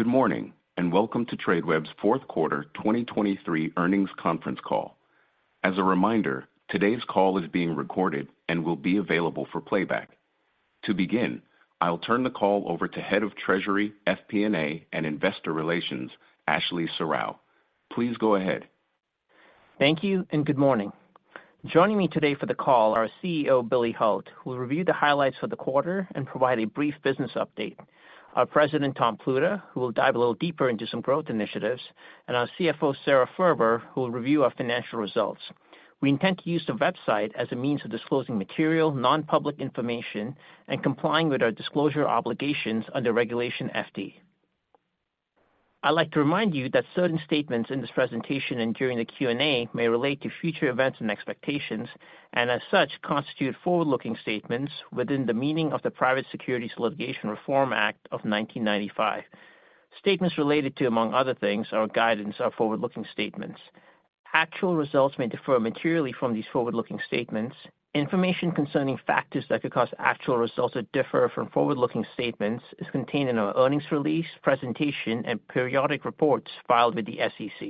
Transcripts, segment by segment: Good morning, and welcome to Tradeweb's fourth quarter 2023 earnings conference call. As a reminder, today's call is being recorded and will be available for playback. To begin, I'll turn the call over to Head of Treasury, FP&A, and Investor Relations, Ashley Serrao. Please go ahead. Thank you, and good morning. Joining me today for the call are our CEO, Billy Hult, who will review the highlights for the quarter and provide a brief business update. Our President, Tom Pluta, who will dive a little deeper into some growth initiatives. And our CFO, Sara Furber, who will review our financial results. We intend to use the website as a means of disclosing material, non-public information and complying with our disclosure obligations under Regulation FD. I'd like to remind you that certain statements in this presentation and during the Q&A may relate to future events and expectations, and as such, constitute forward-looking statements within the meaning of the Private Securities Litigation Reform Act of 1995. Statements related to, among other things, our guidance are forward-looking statements. Actual results may differ materially from these forward-looking statements. Information concerning factors that could cause actual results to differ from forward-looking statements is contained in our earnings release, presentation, and periodic reports filed with the SEC.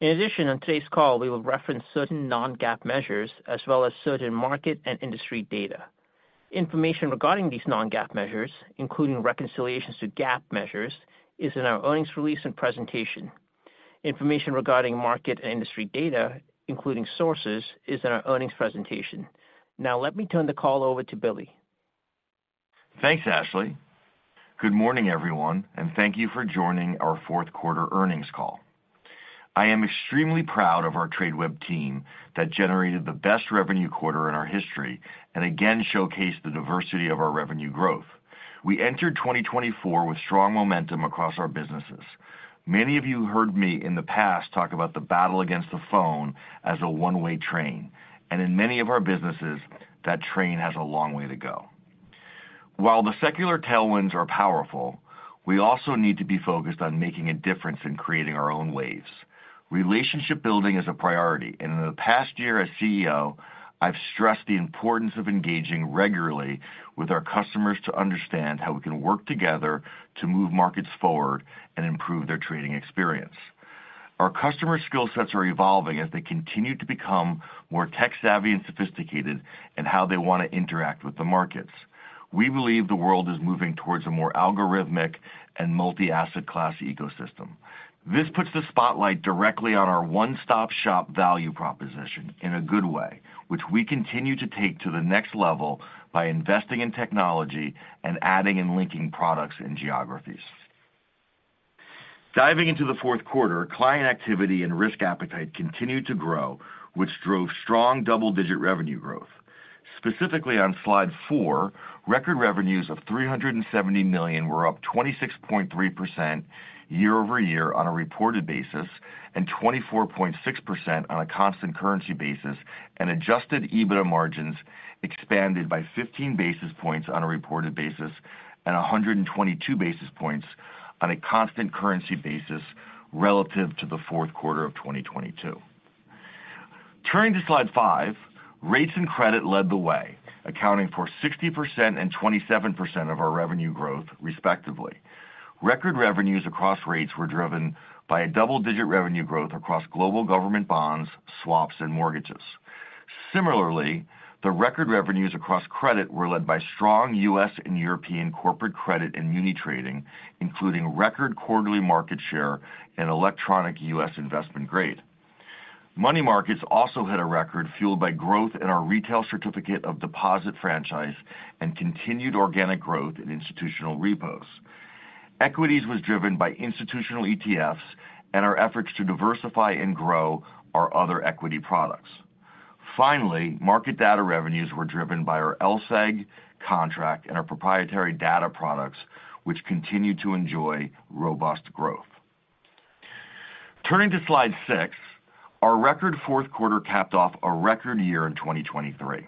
In addition, on today's call, we will reference certain non-GAAP measures as well as certain market and industry data. Information regarding these non-GAAP measures, including reconciliations to GAAP measures, is in our earnings release and presentation. Information regarding market and industry data, including sources, is in our earnings presentation. Now let me turn the call over to Billy. Thanks, Ashley. Good morning, everyone, and thank you for joining our fourth quarter earnings call. I am extremely proud of our Tradeweb team that generated the best revenue quarter in our history and again showcased the diversity of our revenue growth. We entered 2024 with strong momentum across our businesses. Many of you heard me in the past talk about the battle against the phone as a one-way train, and in many of our businesses, that train has a long way to go. While the secular tailwinds are powerful, we also need to be focused on making a difference in creating our own waves. Relationship building is a priority, and in the past year as CEO, I've stressed the importance of engaging regularly with our customers to understand how we can work together to move markets forward and improve their trading experience. Our customer skill sets are evolving as they continue to become more tech-savvy and sophisticated in how they want to interact with the markets. We believe the world is moving towards a more algorithmic and multi-asset class ecosystem. This puts the spotlight directly on our one-stop-shop value proposition in a good way, which we continue to take to the next level by investing in technology and adding and linking products and geographies. Diving into the fourth quarter, client activity and risk appetite continued to grow, which drove strong double-digit revenue growth. Specifically, on slide four, record revenues of $370 million were up 26.3% year-over-year on a reported basis, and 24.6% on a constant currency basis, and Adjusted EBITDA margins expanded by 15 basis points on a reported basis and 122 basis points on a constant currency basis relative to the fourth quarter of 2022. Turning to slide five, rates and credit led the way, accounting for 60% and 27% of our revenue growth, respectively. Record revenues across rates were driven by a double-digit revenue growth across global government bonds, swaps, and mortgages. Similarly, the record revenues across credit were led by strong U.S. and European corporate credit and muni trading, including record quarterly market share in electronic U.S. investment grade. Money markets also had a record fueled by growth in our retail certificate of deposit franchise and continued organic growth in institutional repos. Equities was driven by institutional ETFs and our efforts to diversify and grow our other equity products. Finally, market data revenues were driven by our LSEG contract and our proprietary data products, which continue to enjoy robust growth. Turning to slide 6, our record fourth quarter capped off a record year in 2023.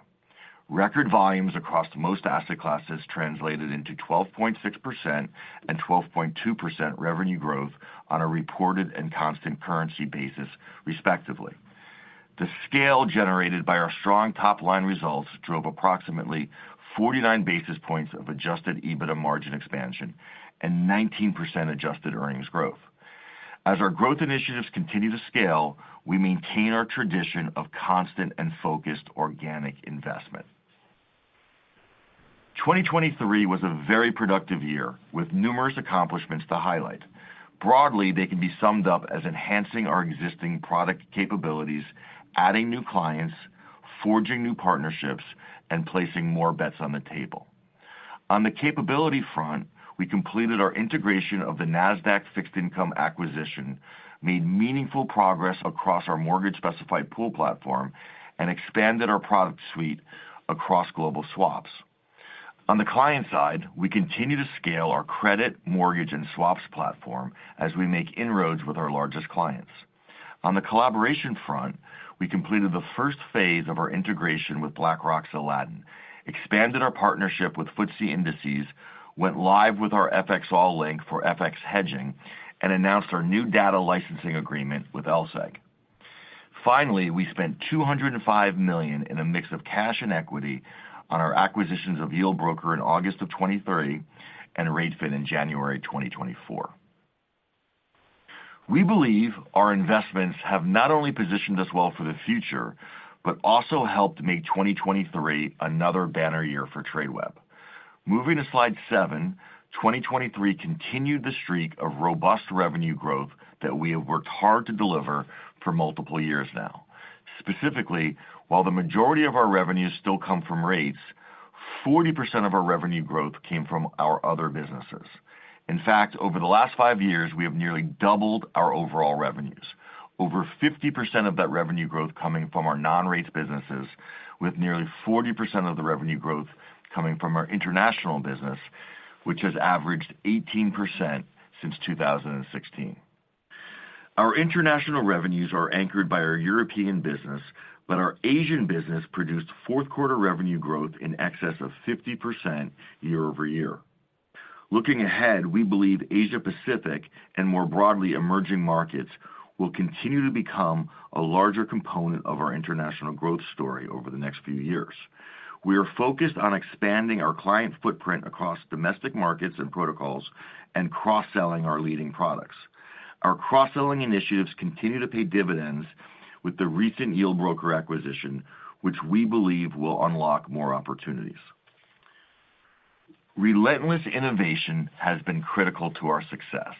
Record volumes across most asset classes translated into 12.6% and 12.2% revenue growth on a reported and constant currency basis, respectively. The scale generated by our strong top-line results drove approximately 49 basis points of adjusted EBITDA margin expansion and 19% adjusted earnings growth. As our growth initiatives continue to scale, we maintain our tradition of constant and focused organic investment. 2023 was a very productive year, with numerous accomplishments to highlight. Broadly, they can be summed up as enhancing our existing product capabilities, adding new clients, forging new partnerships, and placing more bets on the table. On the capability front, we completed our integration of the Nasdaq Fixed Income acquisition, made meaningful progress across our mortgage specified pool platform, and expanded our product suite across global swaps. On the client side, we continue to scale our credit, mortgage, and swaps platform as we make inroads with our largest clients. On the collaboration front, we completed the first phase of our integration with BlackRock's Aladdin, expanded our partnership with FTSE Russell, went live with our FXall link for FX hedging, and announced our new data licensing agreement with LSEG. Finally, we spent $205 million in a mix of cash and equity on our acquisitions of Yieldbroker in August 2023, and r8fin in January 2024. We believe our investments have not only positioned us well for the future, but also helped make 2023 another banner year for Tradeweb. Moving to slide 7, 2023 continued the streak of robust revenue growth that we have worked hard to deliver for multiple years now. Specifically, while the majority of our revenues still come from rates, 40% of our revenue growth came from our other businesses. In fact, over the last 5 years, we have nearly doubled our overall revenues. Over 50% of that revenue growth coming from our non-rates businesses, with nearly 40% of the revenue growth coming from our international business, which has averaged 18% since 2016. Our international revenues are anchored by our European business, but our Asian business produced fourth quarter revenue growth in excess of 50% year-over-year. Looking ahead, we believe Asia Pacific, and more broadly, emerging markets, will continue to become a larger component of our international growth story over the next few years. We are focused on expanding our client footprint across domestic markets and protocols and cross-selling our leading products. Our cross-selling initiatives continue to pay dividends with the recent Yieldbroker acquisition, which we believe will unlock more opportunities. Relentless innovation has been critical to our success.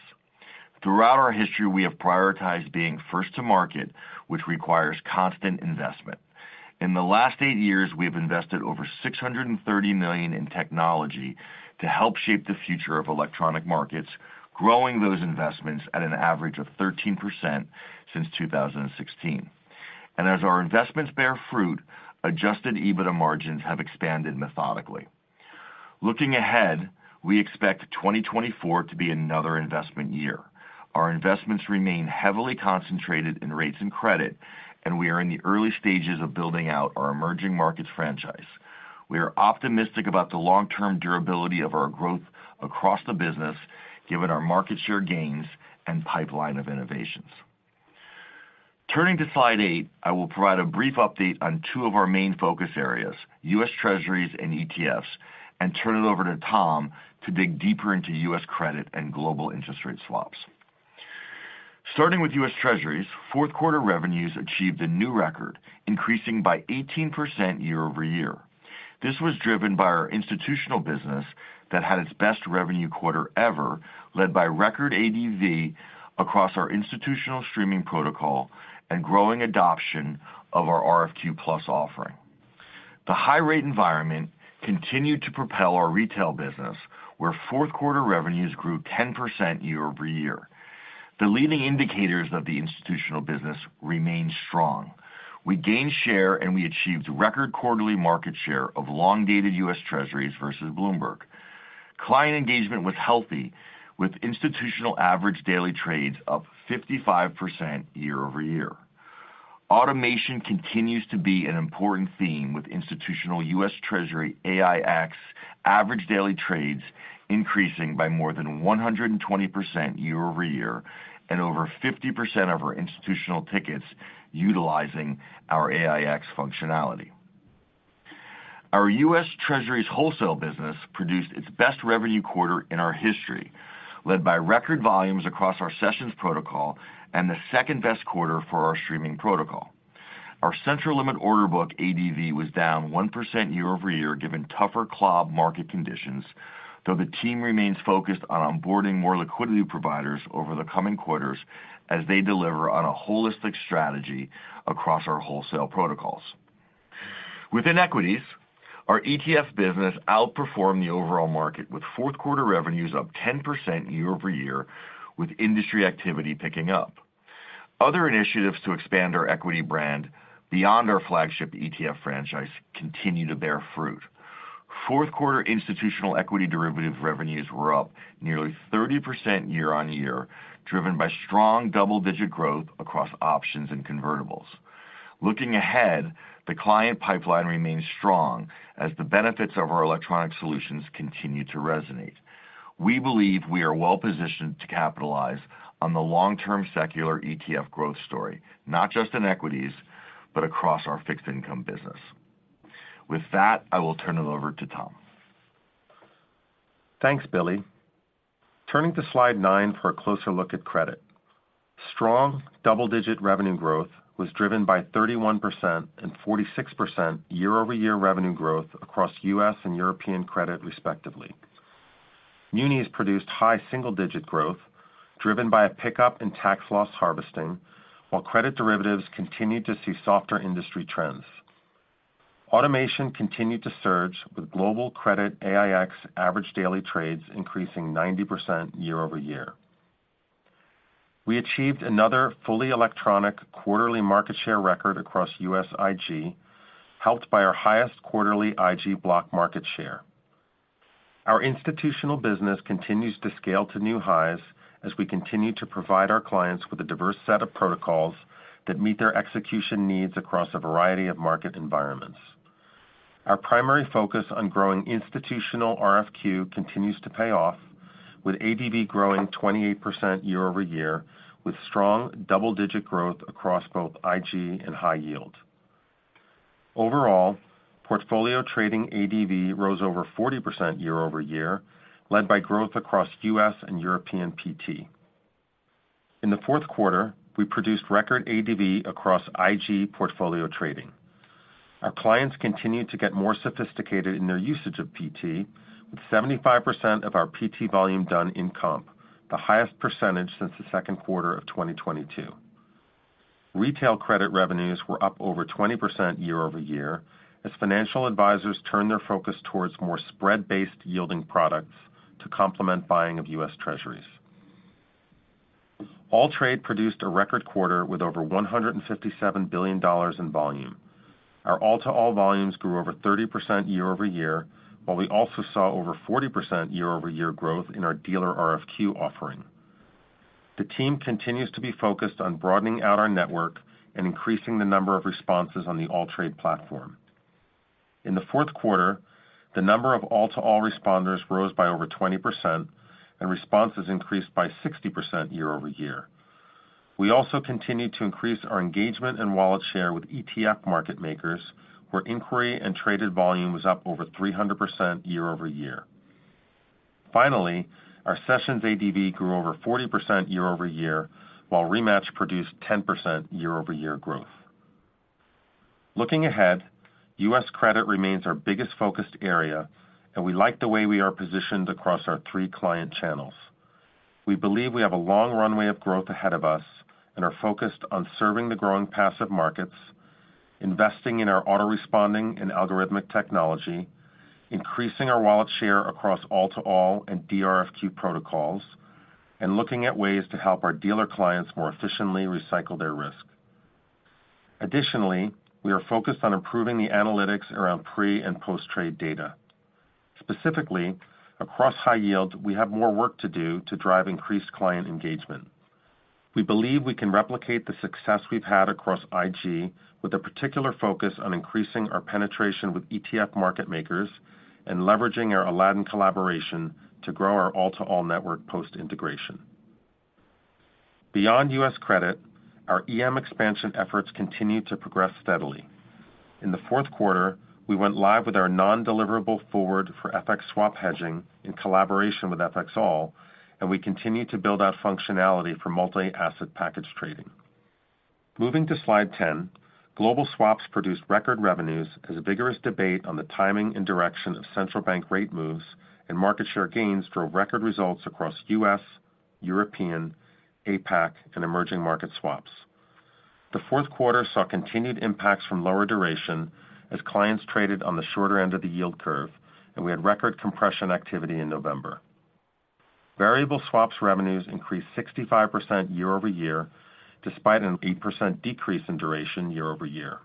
Throughout our history, we have prioritized being first to market, which requires constant investment. In the last 8 years, we have invested over $630 million in technology to help shape the future of electronic markets, growing those investments at an average of 13% since 2016. And as our investments bear fruit, Adjusted EBITDA margins have expanded methodically. Looking ahead, we expect 2024 to be another investment year. Our investments remain heavily concentrated in rates and credit, and we are in the early stages of building out our emerging markets franchise. We are optimistic about the long-term durability of our growth across the business, given our market share gains and pipeline of innovations. Turning to slide 8, I will provide a brief update on 2 of our main focus areas, U.S. Treasuries and ETFs, and turn it over to Tom to dig deeper into U.S. credit and global interest rate swaps. Starting with US Treasuries, fourth quarter revenues achieved a new record, increasing by 18% year-over-year. This was driven by our institutional business that had its best revenue quarter ever, led by record ADV across our institutional streaming protocol and growing adoption of our RFQ+ offering. The high rate environment continued to propel our retail business, where fourth quarter revenues grew 10% year-over-year. The leading indicators of the institutional business remain strong. We gained share, and we achieved record quarterly market share of long-dated US Treasuries versus Bloomberg. Client engagement was healthy, with institutional average daily trades up 55% year-over-year. Automation continues to be an important theme with institutional US Treasury AiEX average daily trades increasing by more than 120% year-over-year, and over 50% of our institutional tickets utilizing our AiEX functionality. Our U.S. Treasuries wholesale business produced its best revenue quarter in our history, led by record volumes across our sessions protocol and the second-best quarter for our streaming protocol. Our central limit order book, ADV, was down 1% year-over-year, given tougher CLOB market conditions, though the team remains focused on onboarding more liquidity providers over the coming quarters as they deliver on a holistic strategy across our wholesale protocols. Within equities, our ETF business outperformed the overall market, with fourth quarter revenues up 10% year-over-year, with industry activity picking up. Other initiatives to expand our equity brand beyond our flagship ETF franchise continue to bear fruit. Fourth quarter institutional equity derivative revenues were up nearly 30% year-over-year, driven by strong double-digit growth across options and convertibles. Looking ahead, the client pipeline remains strong as the benefits of our electronic solutions continue to resonate. We believe we are well positioned to capitalize on the long-term secular ETF growth story, not just in equities, but across our fixed income business. With that, I will turn it over to Tom. Thanks, Billy. Turning to slide 9 for a closer look at credit. Strong double-digit revenue growth was driven by 31% and 46% year-over-year revenue growth across U.S. and European credit, respectively. Munis produced high single-digit growth, driven by a pickup in tax loss harvesting, while credit derivatives continued to see softer industry trends. Automation continued to surge, with global credit AiEX average daily trades increasing 90% year-over-year. We achieved another fully electronic quarterly market share record across U.S. IG, helped by our highest quarterly IG block market share. Our institutional business continues to scale to new highs as we continue to provide our clients with a diverse set of protocols that meet their execution needs across a variety of market environments.... Our primary focus on growing institutional RFQ continues to pay off, with ADV growing 28% year-over-year, with strong double-digit growth across both IG and high yield. Overall, portfolio trading ADV rose over 40% year-over-year, led by growth across U.S. and European PT. In the fourth quarter, we produced record ADV across IG portfolio trading. Our clients continued to get more sophisticated in their usage of PT, with 75% of our PT volume done in comp, the highest percentage since the second quarter of 2022. Retail credit revenues were up over 20% year-over-year, as financial advisors turned their focus towards more spread-based yielding products to complement buying of U.S. Treasuries. AllTrade produced a record quarter with over $157 billion in volume. Our all-to-all volumes grew over 30% year-over-year, while we also saw over 40% year-over-year growth in our dealer RFQ offering. The team continues to be focused on broadening out our network and increasing the number of responses on the AllTrade platform. In the fourth quarter, the number of all-to-all responders rose by over 20%, and responses increased by 60% year-over-year. We also continued to increase our engagement and wallet share with ETF market makers, where inquiry and traded volume was up over 300% year-over-year. Finally, our sessions ADV grew over 40% year-over-year, while ReMatch produced 10% year-over-year growth. Looking ahead, U.S. credit remains our biggest focused area, and we like the way we are positioned across our three client channels. We believe we have a long runway of growth ahead of us and are focused on serving the growing passive markets, investing in our autoresponding and algorithmic technology, increasing our wallet share across all-to-all and DRFQ protocols, and looking at ways to help our dealer clients more efficiently recycle their risk. Additionally, we are focused on improving the analytics around pre- and post-trade data. Specifically, across high yields, we have more work to do to drive increased client engagement. We believe we can replicate the success we've had across IG, with a particular focus on increasing our penetration with ETF market makers and leveraging our Aladdin collaboration to grow our all-to-all network post-integration. Beyond U.S. credit, our EM expansion efforts continue to progress steadily. In the fourth quarter, we went live with our non-deliverable forward for FX swap hedging in collaboration with FXall, and we continued to build out functionality for multi-asset package trading. Moving to Slide 10, global swaps produced record revenues as a vigorous debate on the timing and direction of central bank rate moves and market share gains drove record results across U.S., European, APAC, and emerging market swaps. The fourth quarter saw continued impacts from lower duration as clients traded on the shorter end of the yield curve, and we had record compression activity in November. Variable swaps revenues increased 65% year-over-year, despite an 8% decrease in duration year-over-year.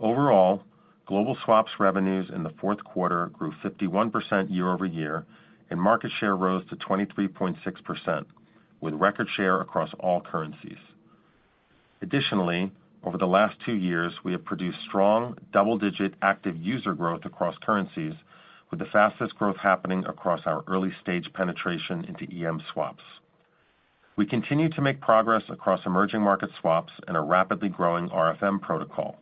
Overall, global swaps revenues in the fourth quarter grew 51% year-over-year, and market share rose to 23.6%, with record share across all currencies. Additionally, over the last 2 years, we have produced strong double-digit active user growth across currencies, with the fastest growth happening across our early-stage penetration into EM swaps. We continue to make progress across emerging market swaps and a rapidly growing RFM protocol.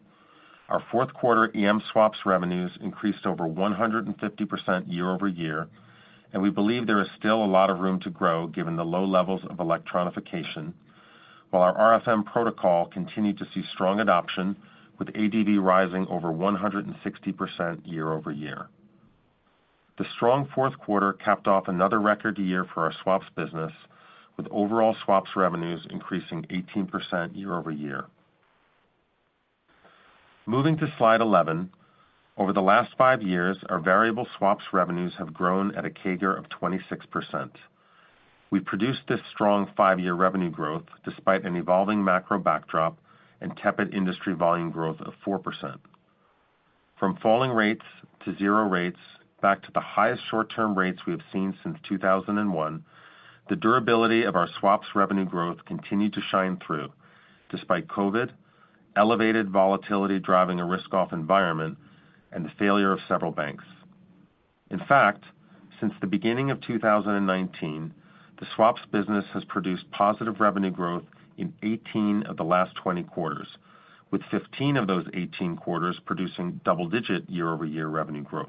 Our fourth quarter EM swaps revenues increased over 150% year-over-year, and we believe there is still a lot of room to grow given the low levels of electronification, while our RFM protocol continued to see strong adoption, with ADV rising over 160% year-over-year. The strong fourth quarter capped off another record year for our swaps business, with overall swaps revenues increasing 18% year-over-year. Moving to Slide 11. Over the last 5 years, our variable swaps revenues have grown at a CAGR of 26%. We produced this strong five-year revenue growth despite an evolving macro backdrop and tepid industry volume growth of 4%. From falling rates to zero rates, back to the highest short-term rates we have seen since 2001, the durability of our swaps revenue growth continued to shine through, despite COVID, elevated volatility driving a risk-off environment, and the failure of several banks. In fact, since the beginning of 2019, the swaps business has produced positive revenue growth in 18 of the last 20 quarters, with 15 of those 18 quarters producing double-digit year-over-year revenue growth.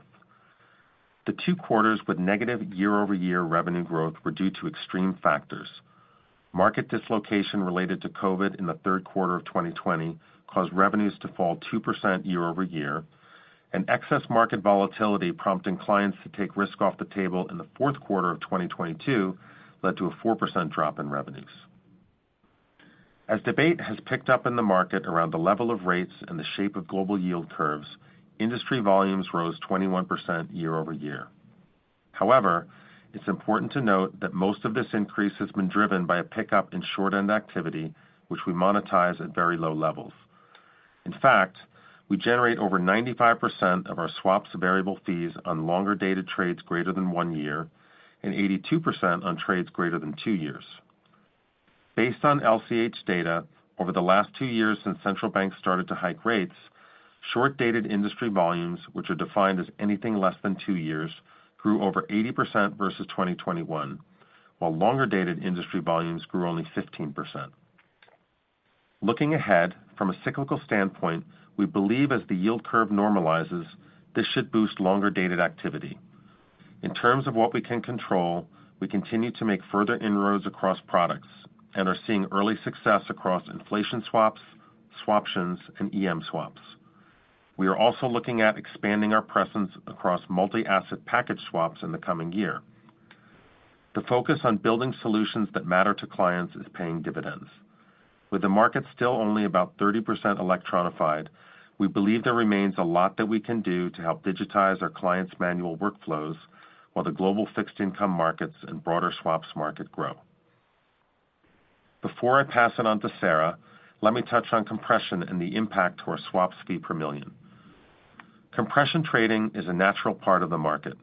The two quarters with negative year-over-year revenue growth were due to extreme factors. Market dislocation related to COVID in the third quarter of 2020 caused revenues to fall 2% year-over-year, and excess market volatility, prompting clients to take risk off the table in the fourth quarter of 2022, led to a 4% drop in revenues. As debate has picked up in the market around the level of rates and the shape of global yield curves, industry volumes rose 21% year-over-year. However, it's important to note that most of this increase has been driven by a pickup in short-end activity, which we monetize at very low levels. In fact, we generate over 95% of our swaps variable fees on longer-dated trades greater than 1 year and 82% on trades greater than 2 years. Based on LCH data, over the last 2 years since central banks started to hike rates, short-dated industry volumes, which are defined as anything less than 2 years, grew over 80% versus 2021, while longer-dated industry volumes grew only 15%. Looking ahead, from a cyclical standpoint, we believe as the yield curve normalizes, this should boost longer-dated activity. In terms of what we can control, we continue to make further inroads across products and are seeing early success across inflation swaps, swaptions, and EM swaps. We are also looking at expanding our presence across multi-asset package swaps in the coming year. The focus on building solutions that matter to clients is paying dividends. With the market still only about 30% electronified, we believe there remains a lot that we can do to help digitize our clients' manual workflows, while the global fixed income markets and broader swaps market grow. Before I pass it on to Sara, let me touch on compression and the impact to our swap fee per million. Compression trading is a natural part of the market.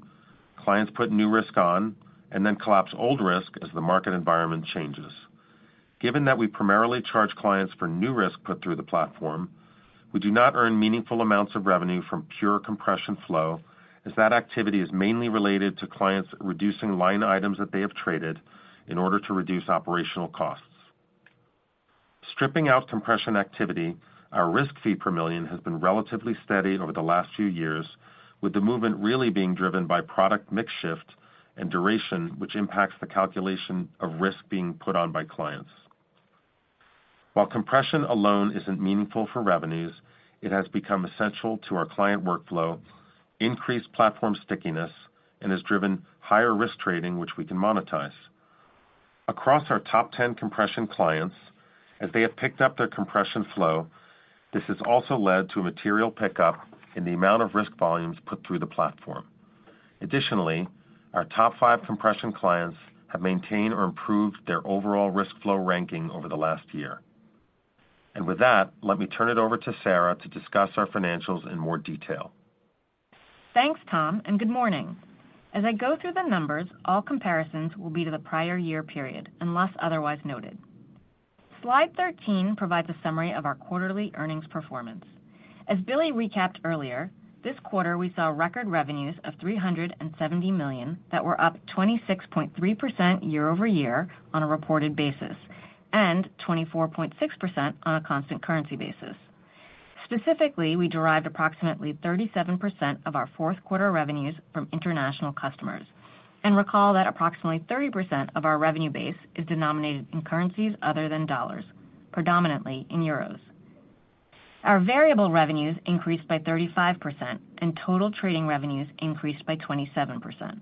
Clients put new risk on and then collapse old risk as the market environment changes. Given that we primarily charge clients for new risk put through the platform, we do not earn meaningful amounts of revenue from pure compression flow, as that activity is mainly related to clients reducing line items that they have traded in order to reduce operational costs. Stripping out compression activity, our risk fee per million has been relatively steady over the last few years, with the movement really being driven by product mix shift and duration, which impacts the calculation of risk being put on by clients. While compression alone isn't meaningful for revenues, it has become essential to our client workflow, increased platform stickiness, and has driven higher risk trading, which we can monetize. Across our top ten compression clients, as they have picked up their compression flow, this has also led to a material pickup in the amount of risk volumes put through the platform. Additionally, our top five compression clients have maintained or improved their overall risk flow ranking over the last year. With that, let me turn it over to Sara to discuss our financials in more detail. Thanks, Tom, and good morning. As I go through the numbers, all comparisons will be to the prior year period, unless otherwise noted. Slide 13 provides a summary of our quarterly earnings performance. As Billy recapped earlier, this quarter, we saw record revenues of $370 million that were up 26.3% year-over-year on a reported basis and 24.6% on a constant currency basis. Specifically, we derived approximately 37% of our fourth quarter revenues from international customers. And recall that approximately 30% of our revenue base is denominated in currencies other than dollars, predominantly in euros. Our variable revenues increased by 35%, and total trading revenues increased by 27%.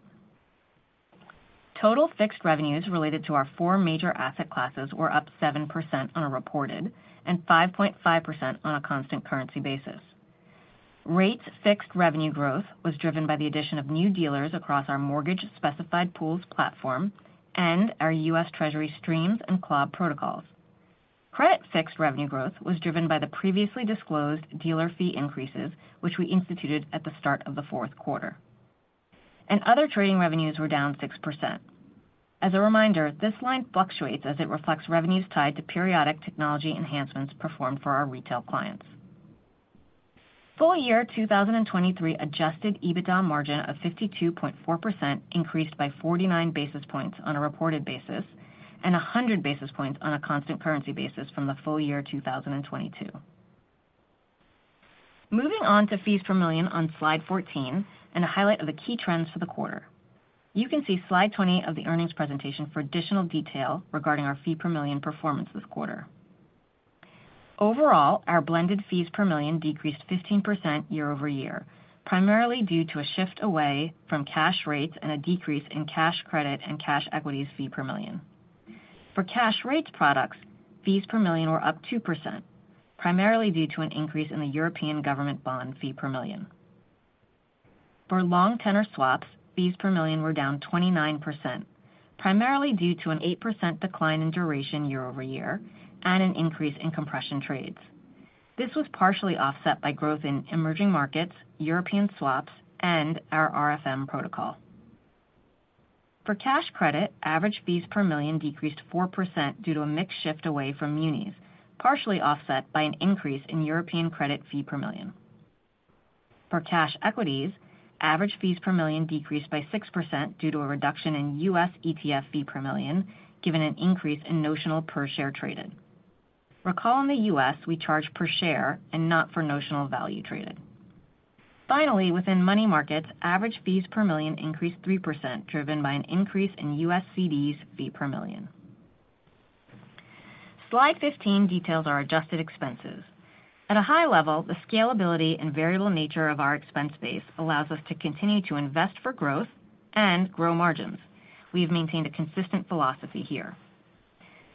Total fixed revenues related to our four major asset classes were up 7% on a reported and 5.5% on a constant currency basis. Rates fixed revenue growth was driven by the addition of new dealers across our mortgage specified pools platform and our U.S. Treasury streams and CLOB protocols. Credit fixed revenue growth was driven by the previously disclosed dealer fee increases, which we instituted at the start of the fourth quarter. Other trading revenues were down 6%. As a reminder, this line fluctuates as it reflects revenues tied to periodic technology enhancements performed for our retail clients. Full year 2023 Adjusted EBITDA margin of 52.4% increased by 49 basis points on a reported basis and 100 basis points on a constant currency basis from the full year 2022. Moving on to fees per million on slide 14 and a highlight of the key trends for the quarter. You can see slide 20 of the earnings presentation for additional detail regarding our fee per million performance this quarter. Overall, our blended fees per million decreased 15% year-over-year, primarily due to a shift away from cash rates and a decrease in cash credit and cash equities fee per million. For cash rates products, fees per million were up 2%, primarily due to an increase in the European government bond fee per million. For long tenor swaps, fees per million were down 29%, primarily due to an 8% decline in duration year-over-year and an increase in compression trades. This was partially offset by growth in emerging markets, European swaps, and our RFM protocol. For cash credit, average fees per million decreased 4% due to a mix shift away from munis, partially offset by an increase in European credit fee per million. For cash equities, average fees per million decreased by 6% due to a reduction in US ETF fee per million, given an increase in notional per share traded. Recall in the US, we charge per share and not for notional value traded. Finally, within money markets, average fees per million increased 3%, driven by an increase in US CDs fee per million. Slide 15 details our adjusted expenses. At a high level, the scalability and variable nature of our expense base allows us to continue to invest for growth and grow margins. We've maintained a consistent philosophy here.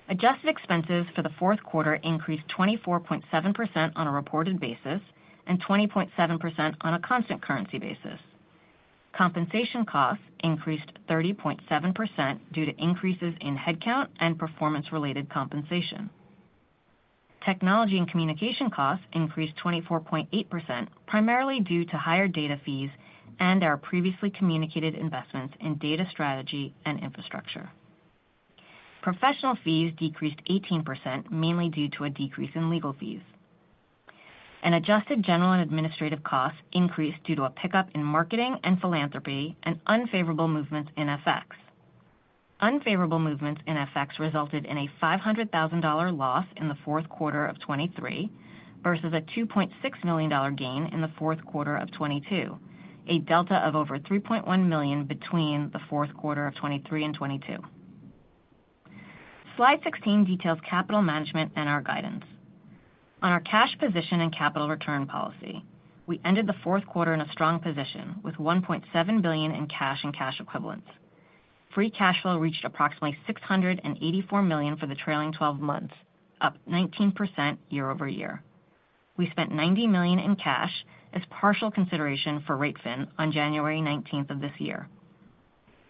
Adjusted expenses for the fourth quarter increased 24.7% on a reported basis and 20.7% on a constant currency basis. Compensation costs increased 30.7% due to increases in headcount and performance-related compensation.... Technology and communication costs increased 24.8%, primarily due to higher data fees and our previously communicated investments in data strategy and infrastructure. Professional fees decreased 18%, mainly due to a decrease in legal fees. Adjusted general and administrative costs increased due to a pickup in marketing and philanthropy and unfavorable movements in FX. Unfavorable movements in FX resulted in a $500,000 loss in the fourth quarter of 2023 versus a $2.6 million gain in the fourth quarter of 2022, a delta of over $3.1 million between the fourth quarter of 2023 and 2022. Slide 16 details capital management and our guidance. On our cash position and capital return policy, we ended the fourth quarter in a strong position, with $1.7 billion in cash and cash equivalents. Free cash flow reached approximately $684 million for the trailing twelve months, up 19% year-over-year. We spent $90 million in cash as partial consideration for r8fin on January 19 of this year.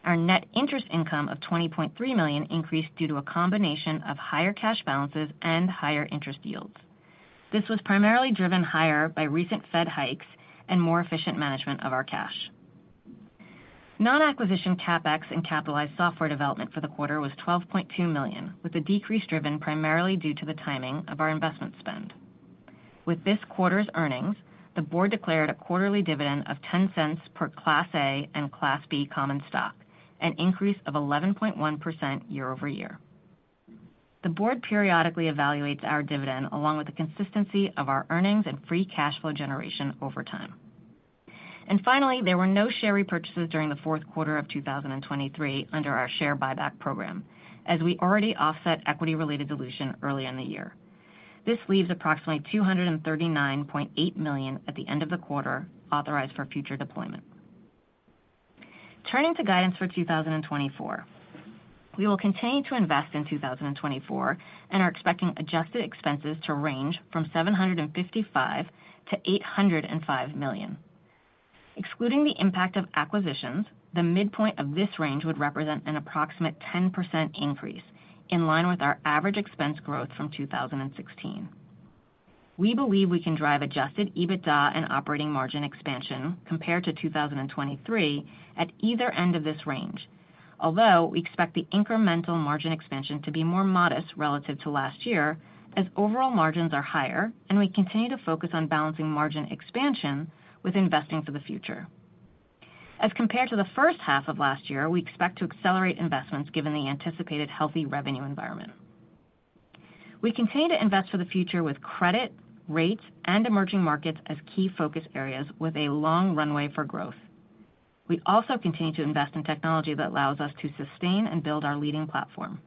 Our net interest income of $20.3 million increased due to a combination of higher cash balances and higher interest yields. This was primarily driven higher by recent Fed hikes and more efficient management of our cash. Non-acquisition CapEx and capitalized software development for the quarter was $12.2 million, with a decrease driven primarily due to the timing of our investment spend. With this quarter's earnings, the board declared a quarterly dividend of $0.10 per Class A and Class B common stock, an increase of 11.1% year-over-year. The board periodically evaluates our dividend, along with the consistency of our earnings and free cash flow generation over time. And finally, there were no share repurchases during the fourth quarter of 2023 under our share buyback program, as we already offset equity-related dilution early in the year. This leaves approximately $239.8 million at the end of the quarter, authorized for future deployment. Turning to guidance for 2024. We will continue to invest in 2024 and are expecting adjusted expenses to range from $755 million-$805 million. Excluding the impact of acquisitions, the midpoint of this range would represent an approximate 10% increase, in line with our average expense growth from 2016. We believe we can drive adjusted EBITDA and operating margin expansion compared to 2023 at either end of this range, although we expect the incremental margin expansion to be more modest relative to last year, as overall margins are higher and we continue to focus on balancing margin expansion with investing for the future. As compared to the first half of last year, we expect to accelerate investments given the anticipated healthy revenue environment. We continue to invest for the future with credit, rates, and emerging markets as key focus areas with a long runway for growth. We also continue to invest in technology that allows us to sustain and build our leading platform.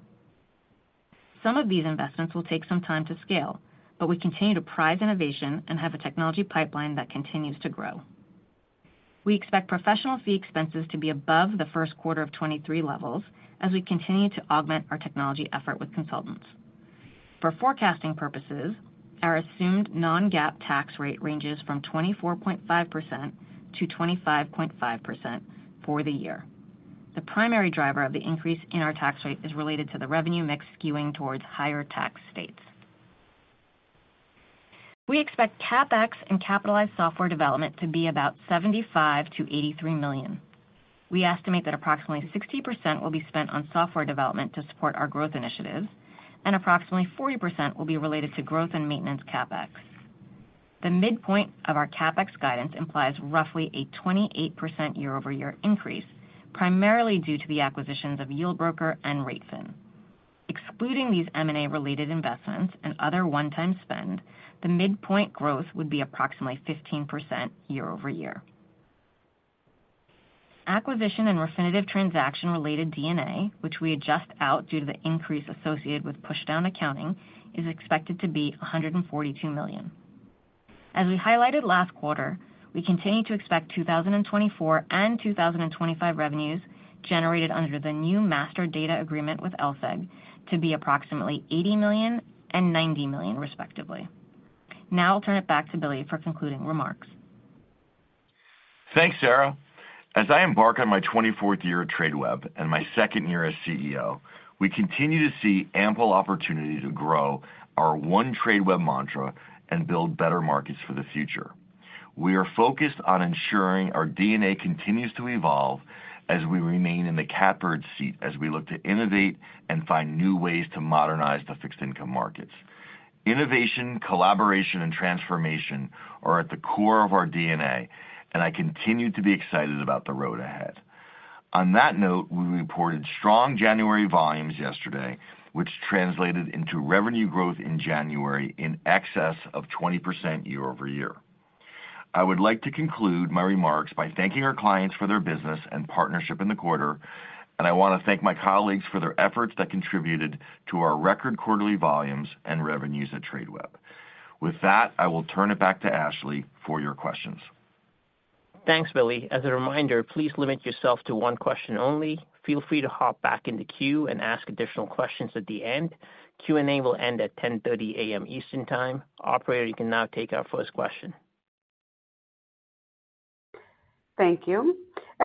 Some of these investments will take some time to scale, but we continue to prize innovation and have a technology pipeline that continues to grow. We expect professional fee expenses to be above the first quarter of 2023 levels as we continue to augment our technology effort with consultants. For forecasting purposes, our assumed non-GAAP tax rate ranges from 24.5% to 25.5% for the year. The primary driver of the increase in our tax rate is related to the revenue mix skewing towards higher tax states. We expect CapEx and capitalized software development to be about $75 million-$83 million. We estimate that approximately 60% will be spent on software development to support our growth initiatives, and approximately 40% will be related to growth and maintenance CapEx. The midpoint of our CapEx guidance implies roughly a 28% year-over-year increase, primarily due to the acquisitions of Yieldbroker and r8fin. Excluding these M&A-related investments and other one-time spend, the midpoint growth would be approximately 15% year-over-year. Acquisition and Refinitiv transaction-related D&A, which we adjust out due to the increase associated with pushdown accounting, is expected to be $142 million. As we highlighted last quarter, we continue to expect 2024 and 2025 revenues generated under the new master data agreement with LSEG to be approximately $80 million and $90 million, respectively. Now I'll turn it back to Billy for concluding remarks. Thanks, Sara. As I embark on my 24th year at Tradeweb and my 2nd year as CEO, we continue to see ample opportunity to grow our One Tradeweb mantra and build better markets for the future. We are focused on ensuring our DNA continues to evolve as we remain in the catbird seat as we look to innovate and find new ways to modernize the fixed income markets. Innovation, collaboration, and transformation are at the core of our DNA, and I continue to be excited about the road ahead. On that note, we reported strong January volumes yesterday, which translated into revenue growth in January in excess of 20% year-over-year. I would like to conclude my remarks by thanking our clients for their business and partnership in the quarter, and I want to thank my colleagues for their efforts that contributed to our record quarterly volumes and revenues at Tradeweb. With that, I will turn it back to Ashley for your questions. Thanks, Billy. As a reminder, please limit yourself to one question only. Feel free to hop back in the queue and ask additional questions at the end. Q&A will end at 10:30 A.M. Eastern Time. Operator, you can now take our first question. ...Thank you.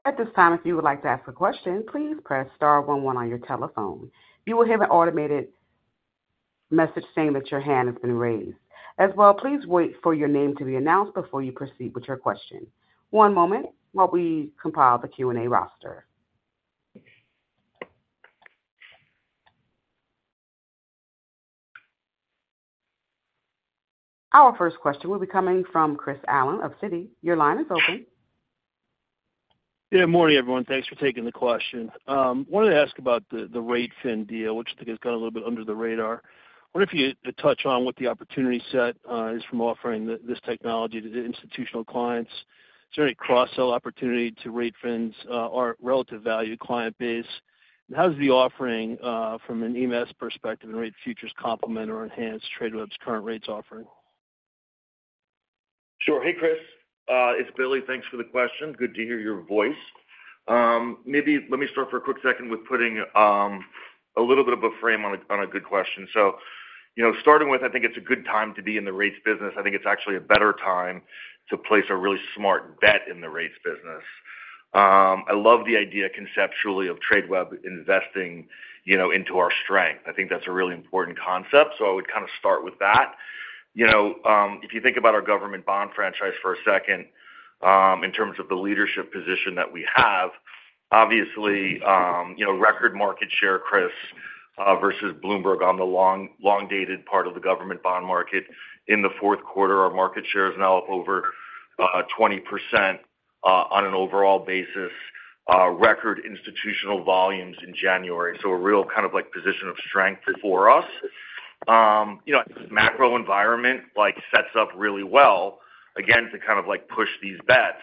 At this time, if you would like to ask a question, please press star one one on your telephone. You will have an automated message saying that your hand has been raised. As well, please wait for your name to be announced before you proceed with your question. One moment while we compile the Q&A roster. Our first question will be coming from Chris Allen of Citi. Your line is open. Yeah, morning, everyone. Thanks for taking the question. Wanted to ask about the r8fin deal, which I think has gone a little bit under the radar. Wonder if you could touch on what the opportunity set is from offering this technology to the institutional clients. Is there any cross-sell opportunity to r8fin's or relative value client base? And how does the offering from an EMS perspective and rate futures complement or enhance Tradeweb's current rates offering? Sure. Hey, Chris, it's Billy. Thanks for the question. Good to hear your voice. Maybe let me start for a quick second with putting a little bit of a frame on a good question. So, you know, starting with, I think it's a good time to be in the rates business. I think it's actually a better time to place a really smart bet in the rates business. I love the idea, conceptually, of Tradeweb investing, you know, into our strength. I think that's a really important concept, so I would kind of start with that. You know, if you think about our government bond franchise for a second, in terms of the leadership position that we have, obviously, you know, record market share, Chris, versus Bloomberg on the long, long-dated part of the government bond market. In the fourth quarter, our market share is now up over 20% on an overall basis, record institutional volumes in January. So a real kind of, like, position of strength for us. You know, macro environment, like, sets up really well, again, to kind of, like, push these bets,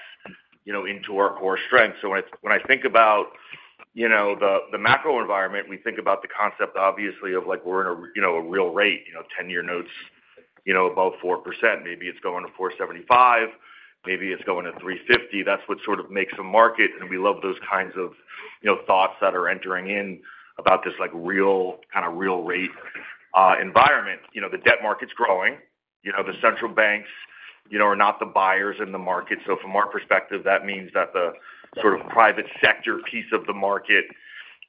you know, into our core strength. So when I think about, you know, the macro environment, we think about the concept, obviously, of, like, we're in a, you know, a real rate, you know, ten-year notes, you know, above 4%. Maybe it's going to 4.75, maybe it's going to 3.50. That's what sort of makes a market, and we love those kinds of, you know, thoughts that are entering in about this, like, real, kind of real rate environment. You know, the debt market's growing. You know, the central banks, you know, are not the buyers in the market. So from our perspective, that means that the sort of private sector piece of the market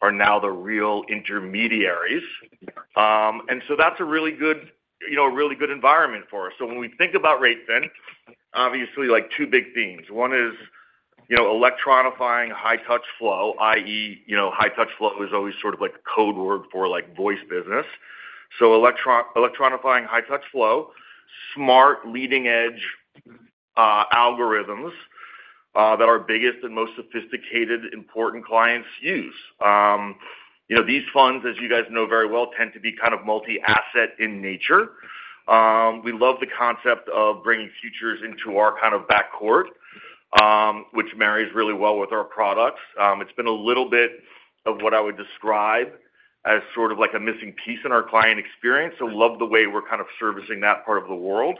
are now the real intermediaries. And so that's a really good, you know, a really good environment for us. So when we think about r8fin, obviously, like, two big themes. One is, you know, electronifying high-touch flow, i.e., you know, high-touch flow is always sort of like a code word for, like, voice business. So electronifying high-touch flow, smart, leading-edge algorithms that our biggest and most sophisticated, important clients use. You know, these funds, as you guys know very well, tend to be kind of multi-asset in nature. We love the concept of bringing futures into our kind of backcourt, which marries really well with our products. It's been a little bit of what I would describe as sort of like a missing piece in our client experience. So love the way we're kind of servicing that part of the world.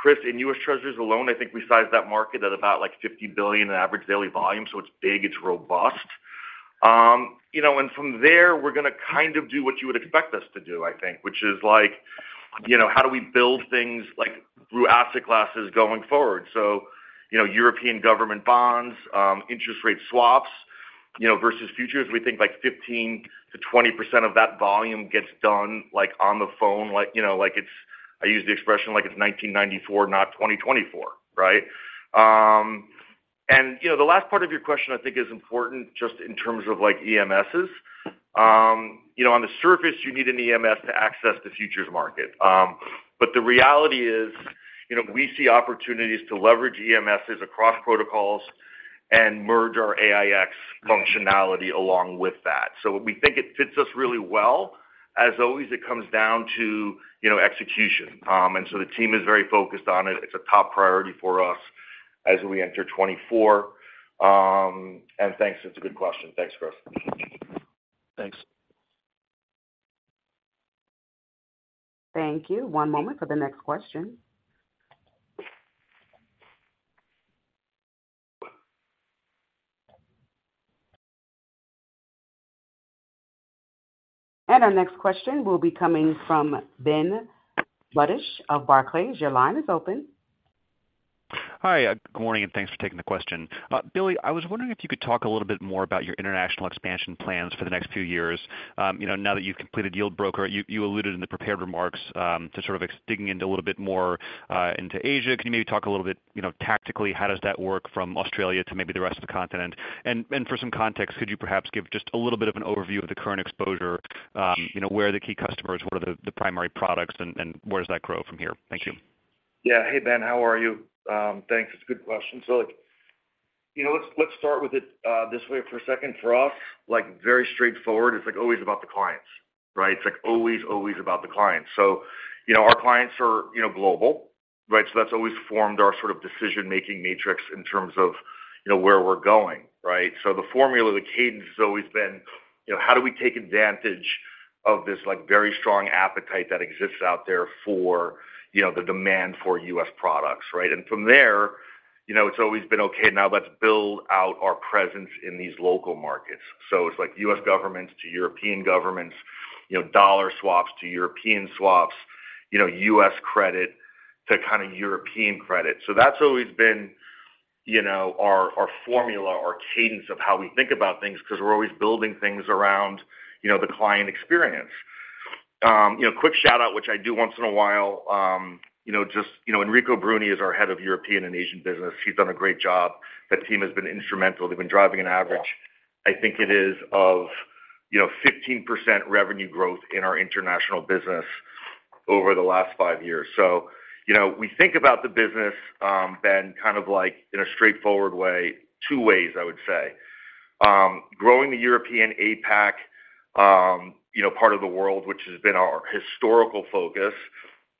Chris, in U.S. Treasuries alone, I think we sized that market at about, like, $50 billion in average daily volume, so it's big, it's robust. You know, and from there, we're going to kind of do what you would expect us to do, I think, which is like, you know, how do we build things, like, through asset classes going forward? So, you know, European government bonds, interest rate swaps, you know, versus futures, we think, like, 15%-20% of that volume gets done, like, on the phone, like, you know, like, it's... I use the expression, like, it's 1994, not 2024, right? And, you know, the last part of your question, I think, is important just in terms of, like, EMSs. You know, on the surface, you need an EMS to access the futures market. But the reality is, you know, we see opportunities to leverage EMSs across protocols and merge our AiEX functionality along with that. So we think it fits us really well. As always, it comes down to, you know, execution. And so the team is very focused on it. It's a top priority for us as we enter 2024. And thanks. It's a good question. Thanks, Chris. Thanks. Thank you. One moment for the next question. Our next question will be coming from Benjamin Budish of Barclays. Your line is open. Hi, good morning, and thanks for taking the question. Billy, I was wondering if you could talk a little bit more about your international expansion plans for the next few years. You know, now that you've completed Yieldbroker, you alluded in the prepared remarks to sort of digging into a little bit more into Asia. Can you maybe talk a little bit, you know, tactically, how does that work from Australia to maybe the rest of the continent? And for some context, could you perhaps give just a little bit of an overview of the current exposure? You know, where are the key customers, what are the primary products, and where does that grow from here? Thank you. Yeah. Hey, Ben, how are you? Thanks. It's a good question. So, like, you know, let's, let's start with it this way for a second. For us, like, very straightforward, it's, like, always about the clients, right? It's, like, always, always about the clients. So, you know, our clients are, you know, global, right? So that's always formed our sort of decision-making matrix in terms of, you know, where we're going, right? So the formula, the cadence has always been, you know, how do we take advantage of this, like, very strong appetite that exists out there for, you know, the demand for U.S. products, right? And from there, you know, it's always been: Okay, now let's build out our presence in these local markets. So it's like U.S. governments to European governments, you know, dollar swaps to European swaps.... You know, US credit to kind of European credit. So that's always been, you know, our, our formula, our cadence of how we think about things, because we're always building things around, you know, the client experience. You know, quick shout out, which I do once in a while, you know, just, you know, Enrico Bruni is our head of European and Asian business. He's done a great job. That team has been instrumental. They've been driving an average, I think it is, of, you know, 15% revenue growth in our international business over the last five years. So, you know, we think about the business, Ben, kind of like in a straightforward way, two ways, I would say. Growing the Europe and APAC, you know, part of the world, which has been our historical focus,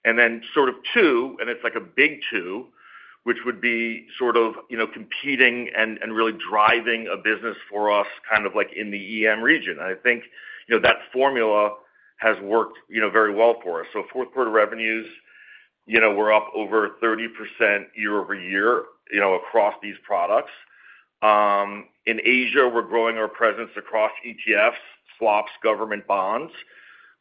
and then sort of two, and it's like a big two, which would be sort of, you know, competing and really driving a business for us, kind of like in the EM region. I think, you know, that formula has worked, you know, very well for us. So fourth quarter revenues, you know, we're up over 30% year-over-year, you know, across these products. In Asia, we're growing our presence across ETFs, swaps, government bonds.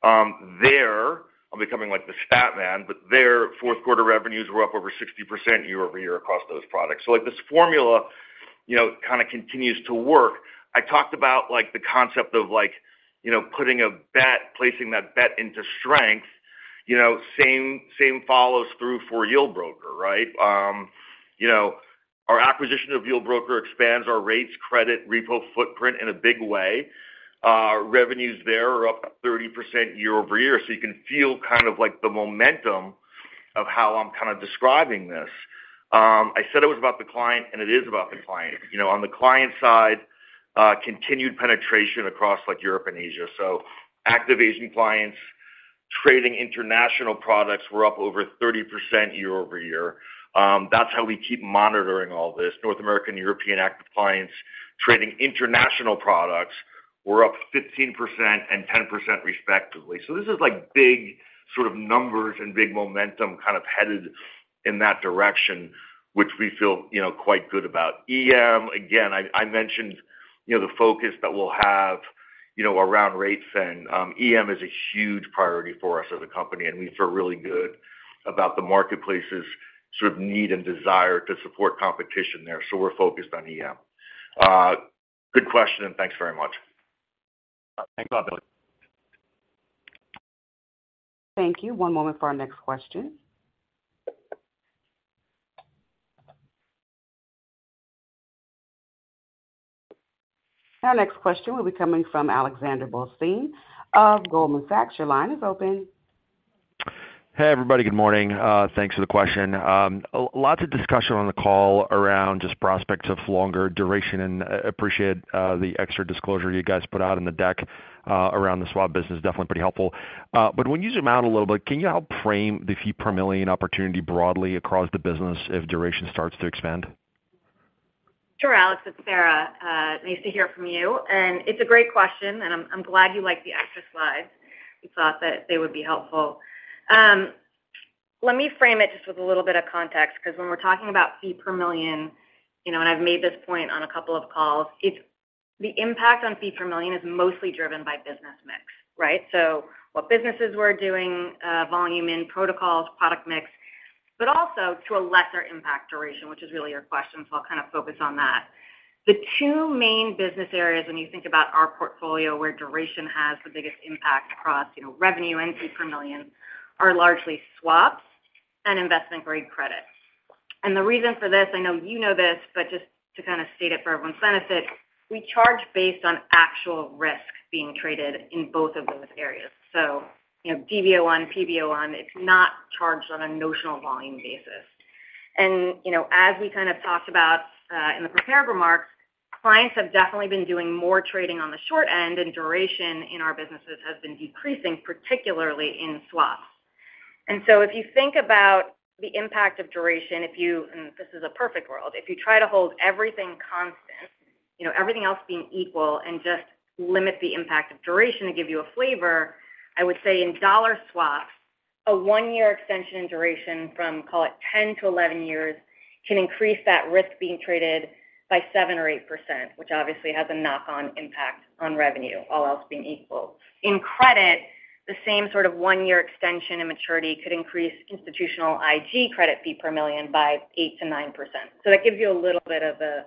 There, I'm becoming like the stat man, but there, fourth quarter revenues were up over 60% year-over-year across those products. So, like, this formula, you know, kind of continues to work. I talked about like, the concept of like, you know, putting a bet, placing that bet into strength, you know, same, same follows through for Yieldbroker, right? You know, our acquisition of Yieldbroker expands our rates, credit, repo footprint in a big way. Revenues there are up 30% year-over-year, so you can feel kind of like the momentum of how I'm kind of describing this. I said it was about the client, and it is about the client. You know, on the client side, continued penetration across, like, Europe and Asia. So active Asian clients trading international products were up over 30% year-over-year. That's how we keep monitoring all this. North American, European active clients trading international products were up 15% and 10%, respectively. So this is like big sort of numbers and big momentum kind of headed in that direction, which we feel, you know, quite good about. EM, again, I mentioned, you know, the focus that we'll have, you know, around rates, and EM is a huge priority for us as a company, and we feel really good about the marketplace's sort of need and desire to support competition there. So we're focused on EM. Good question, and thanks very much. Thanks, Billy. Thank you. One moment for our next question. Our next question will be coming from Alexander Blostein of Goldman Sachs. Your line is open. Hey, everybody. Good morning. Thanks for the question. Lots of discussion on the call around just prospects of longer duration, and I appreciate the extra disclosure you guys put out in the deck around the swap business. Definitely pretty helpful. But when you zoom out a little bit, can you help frame the fee per million opportunity broadly across the business if duration starts to expand? Sure, Alex, it's Sara. Nice to hear from you, and it's a great question, and I'm glad you like the extra slides. We thought that they would be helpful. Let me frame it just with a little bit of context, because when we're talking about fee per million, you know, and I've made this point on a couple of calls, it's the impact on fee per million is mostly driven by business mix, right? So what businesses we're doing, volume in protocols, product mix, but also to a lesser impact, duration, which is really your question, so I'll kind of focus on that. The two main business areas when you think about our portfolio, where duration has the biggest impact across, you know, revenue and fee per million, are largely swaps and investment-grade credit. The reason for this, I know you know this, but just to kind of state it for everyone's benefit, we charge based on actual risk being traded in both of those areas. So, you know, DV01, PV01, it's not charged on a notional volume basis. And, you know, as we kind of talked about, in the prepared remarks, clients have definitely been doing more trading on the short end, and duration in our businesses has been decreasing, particularly in swaps. And so if you think about the impact of duration, if you... This is a perfect world, if you try to hold everything constant, you know, everything else being equal, and just limit the impact of duration to give you a flavor, I would say in dollar swaps, a 1-year extension in duration from, call it, 10 to 11 years, can increase that risk being traded by 7% or 8%, which obviously has a knock-on impact on revenue, all else being equal. In credit, the same sort of 1-year extension in maturity could increase institutional IG credit fee per million by 8%-9%. So that gives you a little bit of a,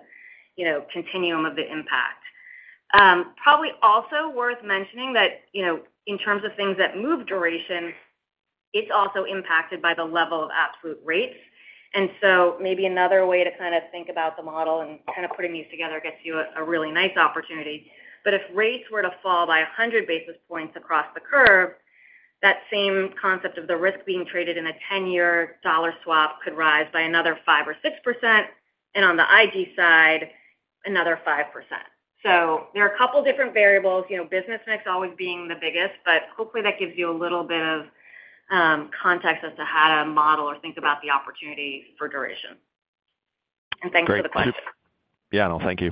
you know, continuum of the impact. Probably also worth mentioning that, you know, in terms of things that move duration, it's also impacted by the level of absolute rates. So maybe another way to kind of think about the model and kind of putting these together gets you a really nice opportunity. But if rates were to fall by 100 basis points across the curve, that same concept of the risk being traded in a 10-year dollar swap could rise by another 5 or 6%, and on the IG side, another 5%. So there are a couple different variables, you know, business mix always being the biggest, but hopefully, that gives you a little bit of context as to how to model or think about the opportunity for duration. And thanks for the question. Great. Yeah, no, thank you.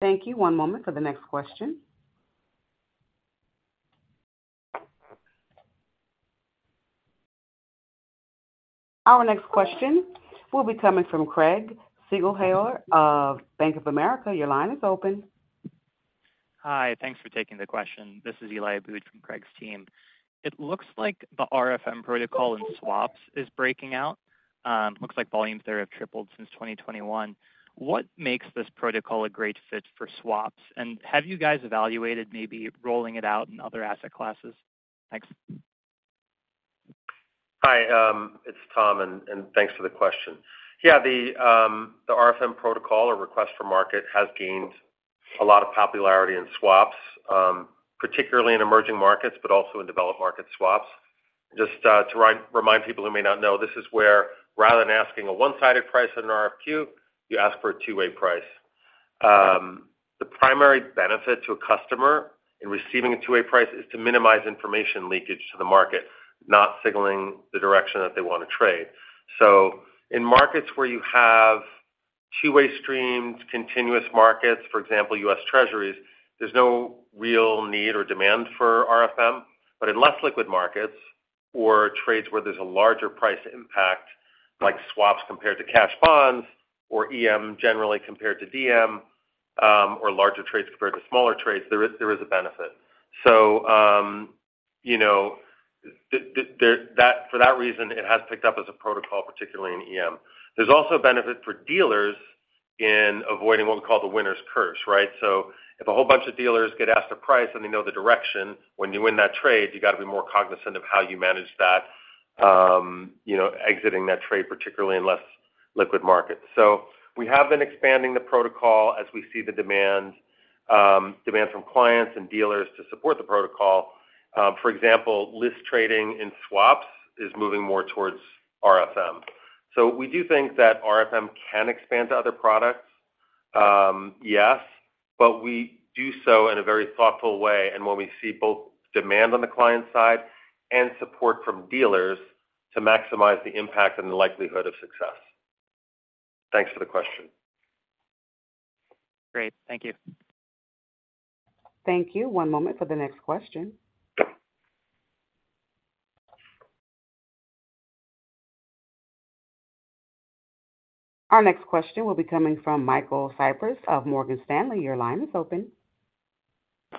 Thank you. One moment for the next question. Our next question will be coming from Craig Siegenthaler of Bank of America. Your line is open. Hi, thanks for taking the question. This is Eli Abboud from Craig's team. It looks like the RFM protocol in swaps is breaking out. Looks like volumes there have tripled since 2021. What makes this protocol a great fit for swaps? And have you guys evaluated maybe rolling it out in other asset classes? Thanks. Hi, it's Tom, and thanks for the question. Yeah, the RFM protocol, or request for market, has gained a lot of popularity in swaps, particularly in emerging markets, but also in developed market swaps. Just to remind people who may not know, this is where, rather than asking a one-sided price on an RFQ, you ask for a two-way price. The primary benefit to a customer in receiving a two-way price is to minimize information leakage to the market, not signaling the direction that they want to trade. So in markets where you have two-way streams, continuous markets, for example, U.S. Treasuries, there's no real need or demand for RFM, but in less liquid markets or trades where there's a larger price impact, like swaps compared to cash bonds or EM generally compared to DM, or larger trades compared to smaller trades, there is, there is a benefit. So, you know, that, for that reason, it has picked up as a protocol, particularly in EM. There's also a benefit for dealers in avoiding what we call the winner's curse, right? So if a whole bunch of dealers get asked a price and they know the direction, when you win that trade, you got to be more cognizant of how you manage that, you know, exiting that trade, particularly in less liquid markets. So we have been expanding the protocol as we see the demand from clients and dealers to support the protocol. For example, list trading in swaps is moving more towards RFM. So we do think that RFM can expand to other products, yes, but we do so in a very thoughtful way, and when we see both demand on the client side and support from dealers to maximize the impact and the likelihood of success. Thanks for the question. Great. Thank you. Thank you. One moment for the next question. Our next question will be coming from Michael Cyprys of Morgan Stanley. Your line is open.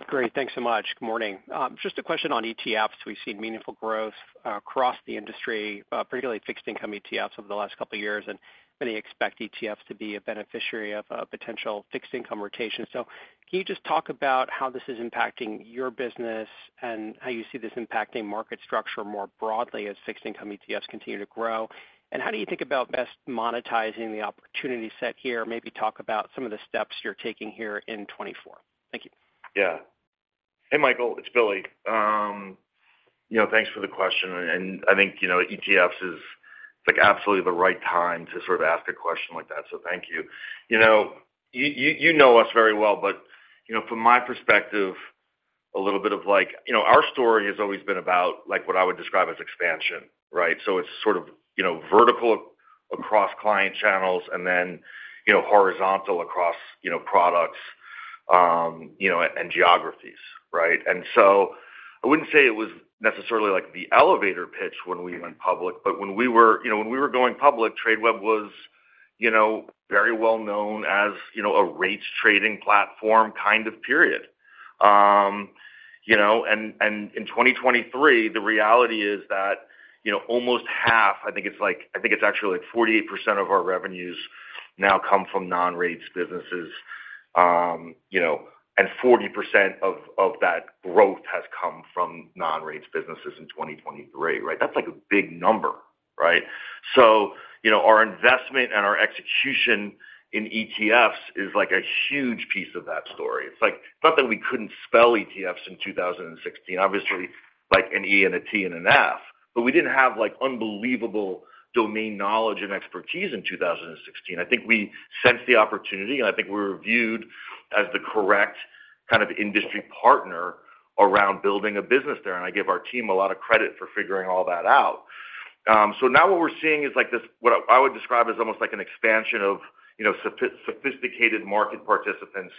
Great. Thanks so much. Good morning. Just a question on ETFs. We've seen meaningful growth across the industry, particularly fixed income ETFs over the last couple of years, and many expect ETFs to be a beneficiary of a potential fixed income rotation. Can you just talk about how this is impacting your business and how you see this impacting market structure more broadly as fixed income ETFs continue to grow? And how do you think about best monetizing the opportunity set here? Maybe talk about some of the steps you're taking here in 2024. Thank you. Yeah. Hey, Michael, it's Billy. You know, thanks for the question. And I think, you know, ETFs is, like, absolutely the right time to sort of ask a question like that. So thank you. You know, you know us very well, but, you know, from my perspective, a little bit of like... You know, our story has always been about, like, what I would describe as expansion, right? So it's sort of, you know, vertical across client channels and then, you know, horizontal across, you know, products, you know, and geographies, right? And so I wouldn't say it was necessarily like the elevator pitch when we went public, but when we were, you know, when we were going public, Tradeweb was, you know, very well known as, you know, a rates trading platform kind of period. You know, and, and in 2023, the reality is that, you know, almost half, I think it's like, I think it's actually like 48% of our revenues now come from non-rates businesses, you know, and 40% of, of that growth has come from non-rates businesses in 2023, right? That's like a big number, right? So, you know, our investment and our execution in ETFs is like a huge piece of that story. It's like, not that we couldn't spell ETFs in 2016, obviously, like an E and a T and an F, but we didn't have, like, unbelievable domain knowledge and expertise in 2016. I think we sensed the opportunity, and I think we were viewed as the correct kind of industry partner around building a business there, and I give our team a lot of credit for figuring all that out. So now what we're seeing is like this, what I would describe as almost like an expansion of, you know, sophisticated market participants,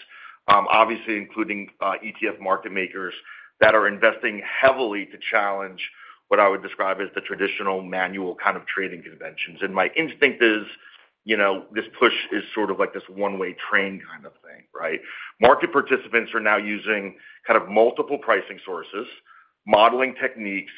obviously, including ETF market makers that are investing heavily to challenge what I would describe as the traditional manual kind of trading conventions. And my instinct is, you know, this push is sort of like this one-way train kind of thing, right? Market participants are now using kind of multiple pricing sources, modeling techniques,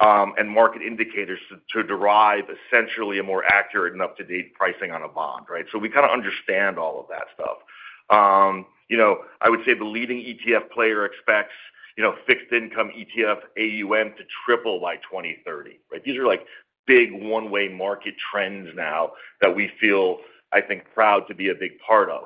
and market indicators to derive essentially a more accurate and up-to-date pricing on a bond, right? So we kind of understand all of that stuff. You know, I would say the leading ETF player expects, you know, fixed income ETF AUM to triple by 2030, right? These are like big one-way market trends now that we feel, I think, proud to be a big part of.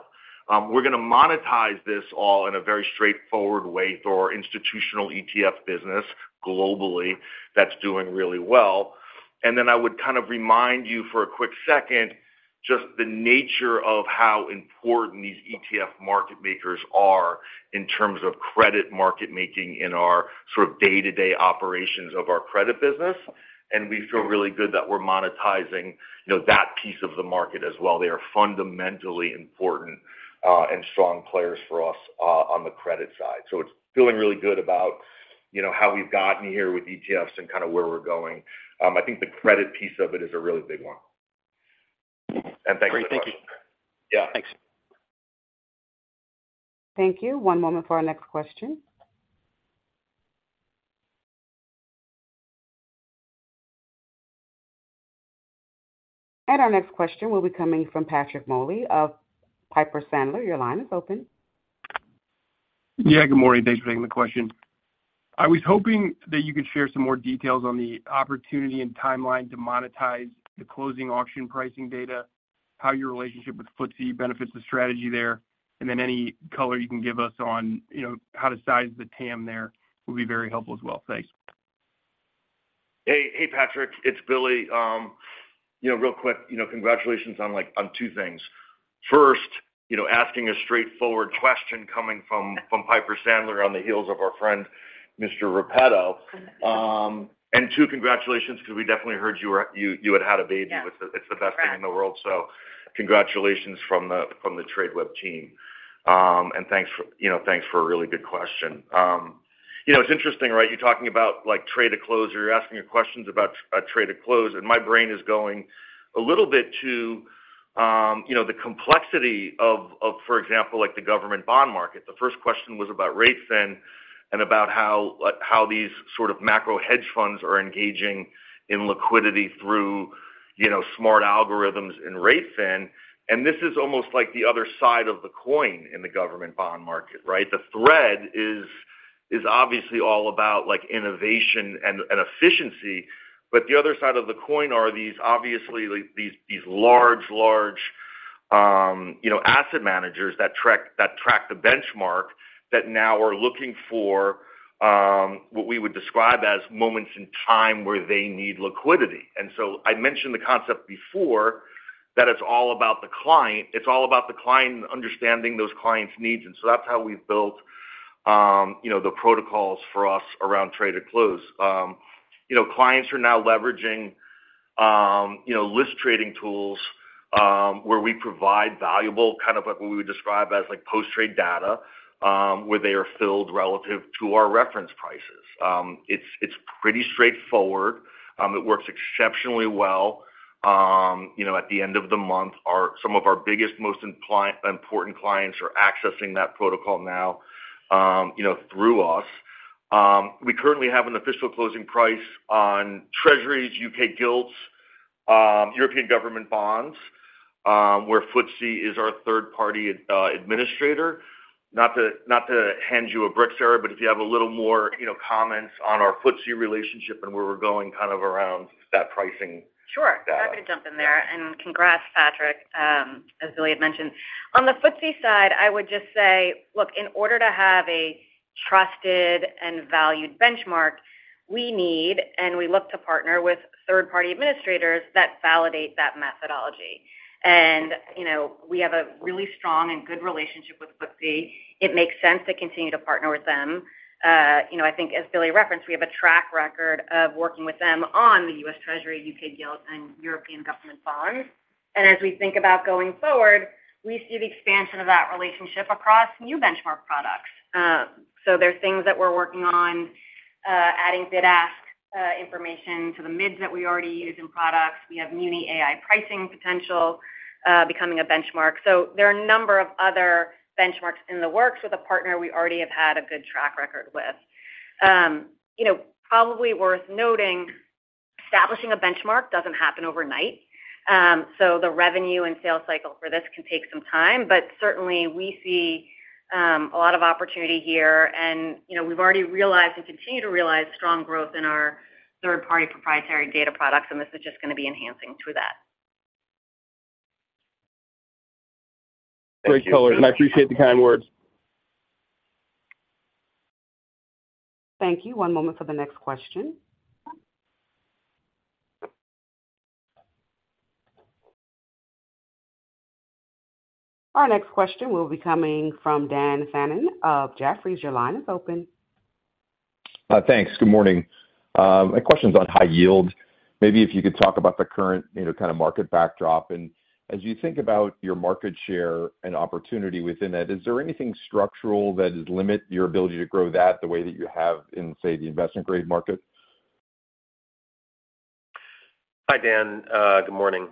We're going to monetize this all in a very straightforward way through our institutional ETF business globally. That's doing really well. Then I would kind of remind you for a quick second, just the nature of how important these ETF market makers are in terms of credit market making in our sort of day-to-day operations of our credit business, and we feel really good that we're monetizing, you know, that piece of the market as well. They are fundamentally important, and strong players for us, on the credit side. So it's feeling really good about... You know, how we've gotten here with ETFs and kind of where we're going. I think the credit piece of it is a really big one. Thanks for the question. Great. Thank you. Yeah. Thanks. Thank you. One moment for our next question. Our next question will be coming from Patrick Moley of Piper Sandler. Your line is open. Yeah, good morning. Thanks for taking the question. I was hoping that you could share some more details on the opportunity and timeline to monetize the closing auction pricing data, how your relationship with FTSE benefits the strategy there, and then any color you can give us on, you know, how to size the TAM there will be very helpful as well. Thanks. Hey, hey, Patrick, it's Billy. You know, real quick, you know, congratulations on, like, on two things. First, you know, asking a straightforward question coming from Piper Sandler on the heels of our friend, Mr. Repetto. And two, congratulations, because we definitely heard you were - you had had a baby. Yeah. It's the best thing in the world. Correct. So congratulations from the Tradeweb team. And thanks for, you know, thanks for a really good question. You know, it's interesting, right? You're talking about, like, Trade at Close, or you're asking your questions about Trade at Close, and my brain is going a little bit to, you know, the complexity of, for example, like, the government bond market. The first question was about r8fin and about how, like, how these sort of macro hedge funds are engaging in liquidity through, you know, smart algorithms and r8fin. And this is almost like the other side of the coin in the government bond market, right? The thread is obviously all about, like, innovation and efficiency, but the other side of the coin are these obviously large asset managers that track the benchmark, that now are looking for what we would describe as moments in time where they need liquidity. And so I mentioned the concept before, that it's all about the client. It's all about the client, understanding those clients' needs, and so that's how we've built the protocols for us around Trade at Close. You know, clients are now leveraging list trading tools, where we provide valuable, kind of, like what we would describe as, like, post-trade data, where they are filled relative to our reference prices. It's pretty straightforward. It works exceptionally well. You know, at the end of the month, some of our biggest, most important clients are accessing that protocol now, you know, through us. We currently have an official closing price on Treasuries, U.K. Gilts, European government bonds, where FTSE is our third-party administrator. Not to hand you a bridge, Sara, but if you have a little more, you know, comments on our FTSE relationship and where we're going kind of around that pricing. Sure. Yeah. Happy to jump in there. Congrats, Patrick, as Billy had mentioned. On the FTSE side, I would just say, look, in order to have a trusted and valued benchmark, we need and we look to partner with third-party administrators that validate that methodology. And, you know, we have a really strong and good relationship with FTSE. It makes sense to continue to partner with them. You know, I think as Billy referenced, we have a track record of working with them on the US Treasury, UK Gilt, and European government bonds. And as we think about going forward, we see the expansion of that relationship across new benchmark products. So there are things that we're working on, adding bid-ask information to the mids that we already use in products. We have muni AI pricing potential becoming a benchmark. So there are a number of other benchmarks in the works with a partner we already have had a good track record with. You know, probably worth noting, establishing a benchmark doesn't happen overnight. So the revenue and sales cycle for this can take some time, but certainly we see a lot of opportunity here. And, you know, we've already realized and continue to realize strong growth in our third-party proprietary data products, and this is just gonna be enhancing to that. Great colors, and I appreciate the kind words. Thank you. One moment for the next question. Our next question will be coming from Dan Fannon of Jefferies. Your line is open. Thanks. Good morning. My question's on high yield. Maybe if you could talk about the current, you know, kind of market backdrop. And as you think about your market share and opportunity within that, is there anything structural that would limit your ability to grow that the way that you have in, say, the investment-grade market? Hi, Dan, good morning.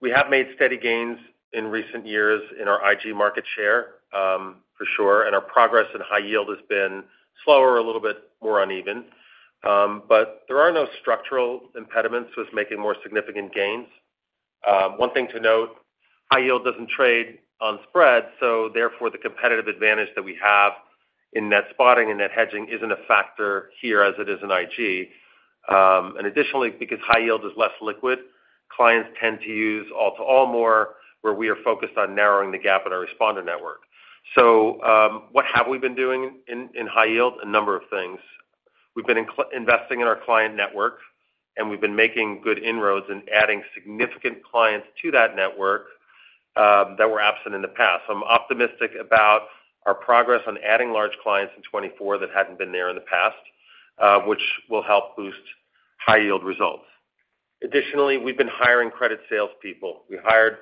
We have made steady gains in recent years in our IG market share, for sure, and our progress in high yield has been slower, a little bit more uneven. There are no structural impediments with making more significant gains. One thing to note, high yield doesn't trade on spread, so therefore, the competitive advantage that we have in net spotting and net hedging isn't a factor here as it is in IG. Additionally, because high yield is less liquid, clients tend to use all-to-all more, where we are focused on narrowing the gap in our responder network. What have we been doing in high yield? A number of things. We've been investing in our client network, and we've been making good inroads and adding significant clients to that network, that were absent in the past. I'm optimistic about our progress on adding large clients in 2024 that hadn't been there in the past, which will help boost high-yield results.... Additionally, we've been hiring credit salespeople. We hired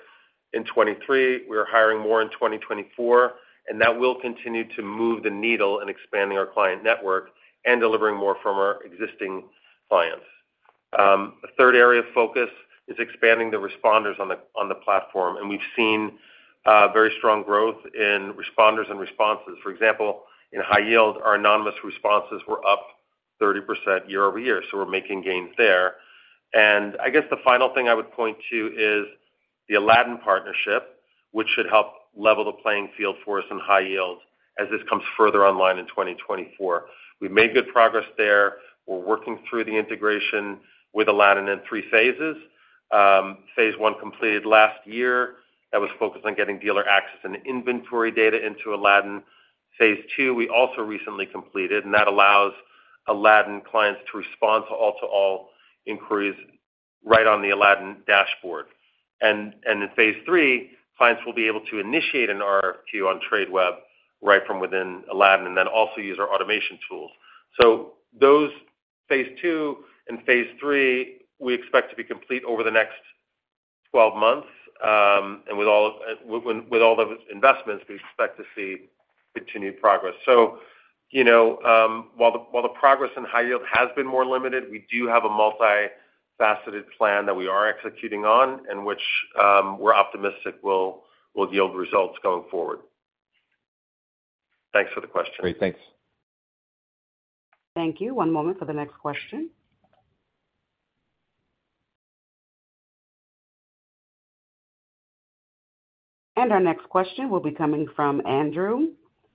in 2023, we are hiring more in 2024, and that will continue to move the needle in expanding our client network and delivering more from our existing clients. A third area of focus is expanding the responders on the platform, and we've seen very strong growth in responders and responses. For example, in high yield, our anonymous responses were up 30% year-over-year, so we're making gains there. And I guess the final thing I would point to is the Aladdin partnership, which should help level the playing field for us in high yield as this comes further online in 2024. We've made good progress there. We're working through the integration with Aladdin in three phases. Phase one completed last year. That was focused on getting dealer access and inventory data into Aladdin. Phase two, we also recently completed, and that allows Aladdin clients to respond to all-to-all inquiries right on the Aladdin dashboard. And in phase three, clients will be able to initiate an RFQ on Tradeweb right from within Aladdin, and then also use our automation tools. So those phase two and phase three, we expect to be complete over the next 12 months, and with all—with all those investments, we expect to see continued progress. So, you know, while the progress in high yield has been more limited, we do have a multifaceted plan that we are executing on, and which we're optimistic will yield results going forward. Thanks for the question. Great. Thanks. Thank you. One moment for the next question. And our next question will be coming from Andrew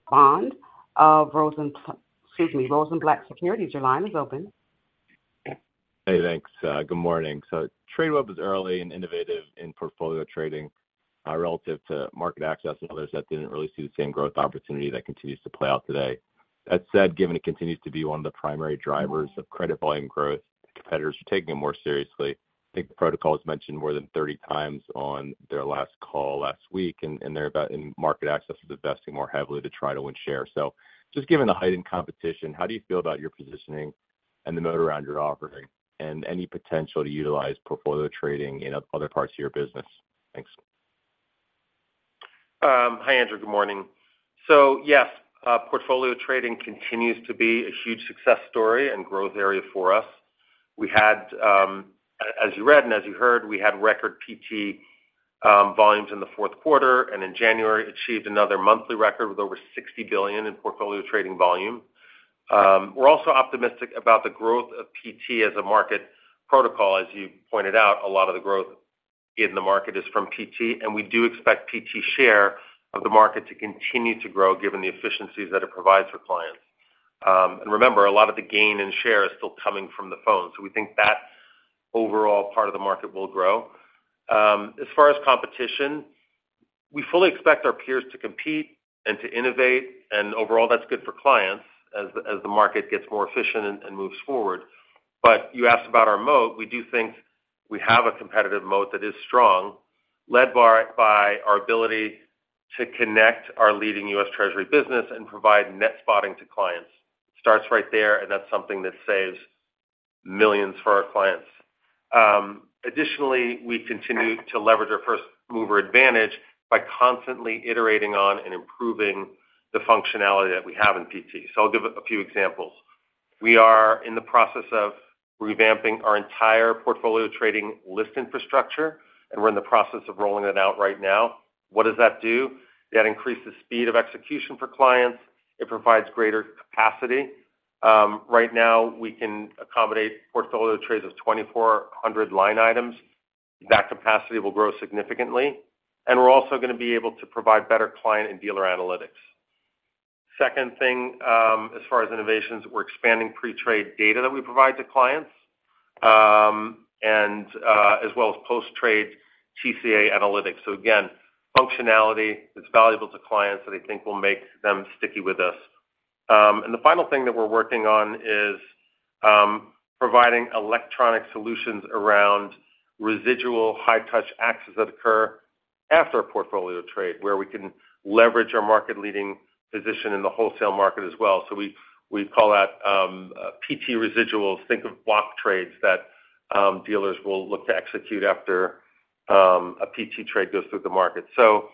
Bond of Rosen—excuse me, Rosenblatt Securities. Your line is open. Hey, thanks. Good morning. So Tradeweb was early and innovative in portfolio trading, relative to MarketAxess and others that didn't really see the same growth opportunity that continues to play out today. That said, given it continues to be one of the primary drivers of credit volume growth, competitors are taking it more seriously. I think the protocol is mentioned more than 30 times on their last call last week, and MarketAxess is investing more heavily to try to win share. So just given the heightened competition, how do you feel about your positioning and the moat around your offering and any potential to utilize portfolio trading in other parts of your business? Thanks. Hi, Andrew. Good morning. So yes, portfolio trading continues to be a huge success story and growth area for us. We had, as you read and as you heard, we had record PT volumes in the fourth quarter, and in January, achieved another monthly record with over $60 billion in portfolio trading volume. We're also optimistic about the growth of PT as a market protocol. As you pointed out, a lot of the growth in the market is from PT, and we do expect PT share of the market to continue to grow given the efficiencies that it provides for clients. And remember, a lot of the gain and share is still coming from the phone, so we think that overall part of the market will grow. As far as competition, we fully expect our peers to compete and to innovate, and overall, that's good for clients as the market gets more efficient and moves forward. But you asked about our moat. We do think we have a competitive moat that is strong, led by our ability to connect our leading U.S. Treasury business and provide net spotting to clients. Starts right there, and that's something that saves millions for our clients. Additionally, we continue to leverage our first mover advantage by constantly iterating on and improving the functionality that we have in PT. So I'll give a few examples. We are in the process of revamping our entire portfolio trading list infrastructure, and we're in the process of rolling it out right now. What does that do? That increases speed of execution for clients. It provides greater capacity. Right now, we can accommodate portfolio trades of 2,400 line items. That capacity will grow significantly, and we're also gonna be able to provide better client and dealer analytics. Second thing, as far as innovations, we're expanding pre-trade data that we provide to clients, and as well as post-trade TCA analytics. So again, functionality that's valuable to clients that I think will make them sticky with us. And the final thing that we're working on is providing electronic solutions around residual high touch access that occur after a portfolio trade, where we can leverage our market leading position in the wholesale market as well. So we call that PT residuals. Think of block trades that dealers will look to execute after a PT trade goes through the market. So,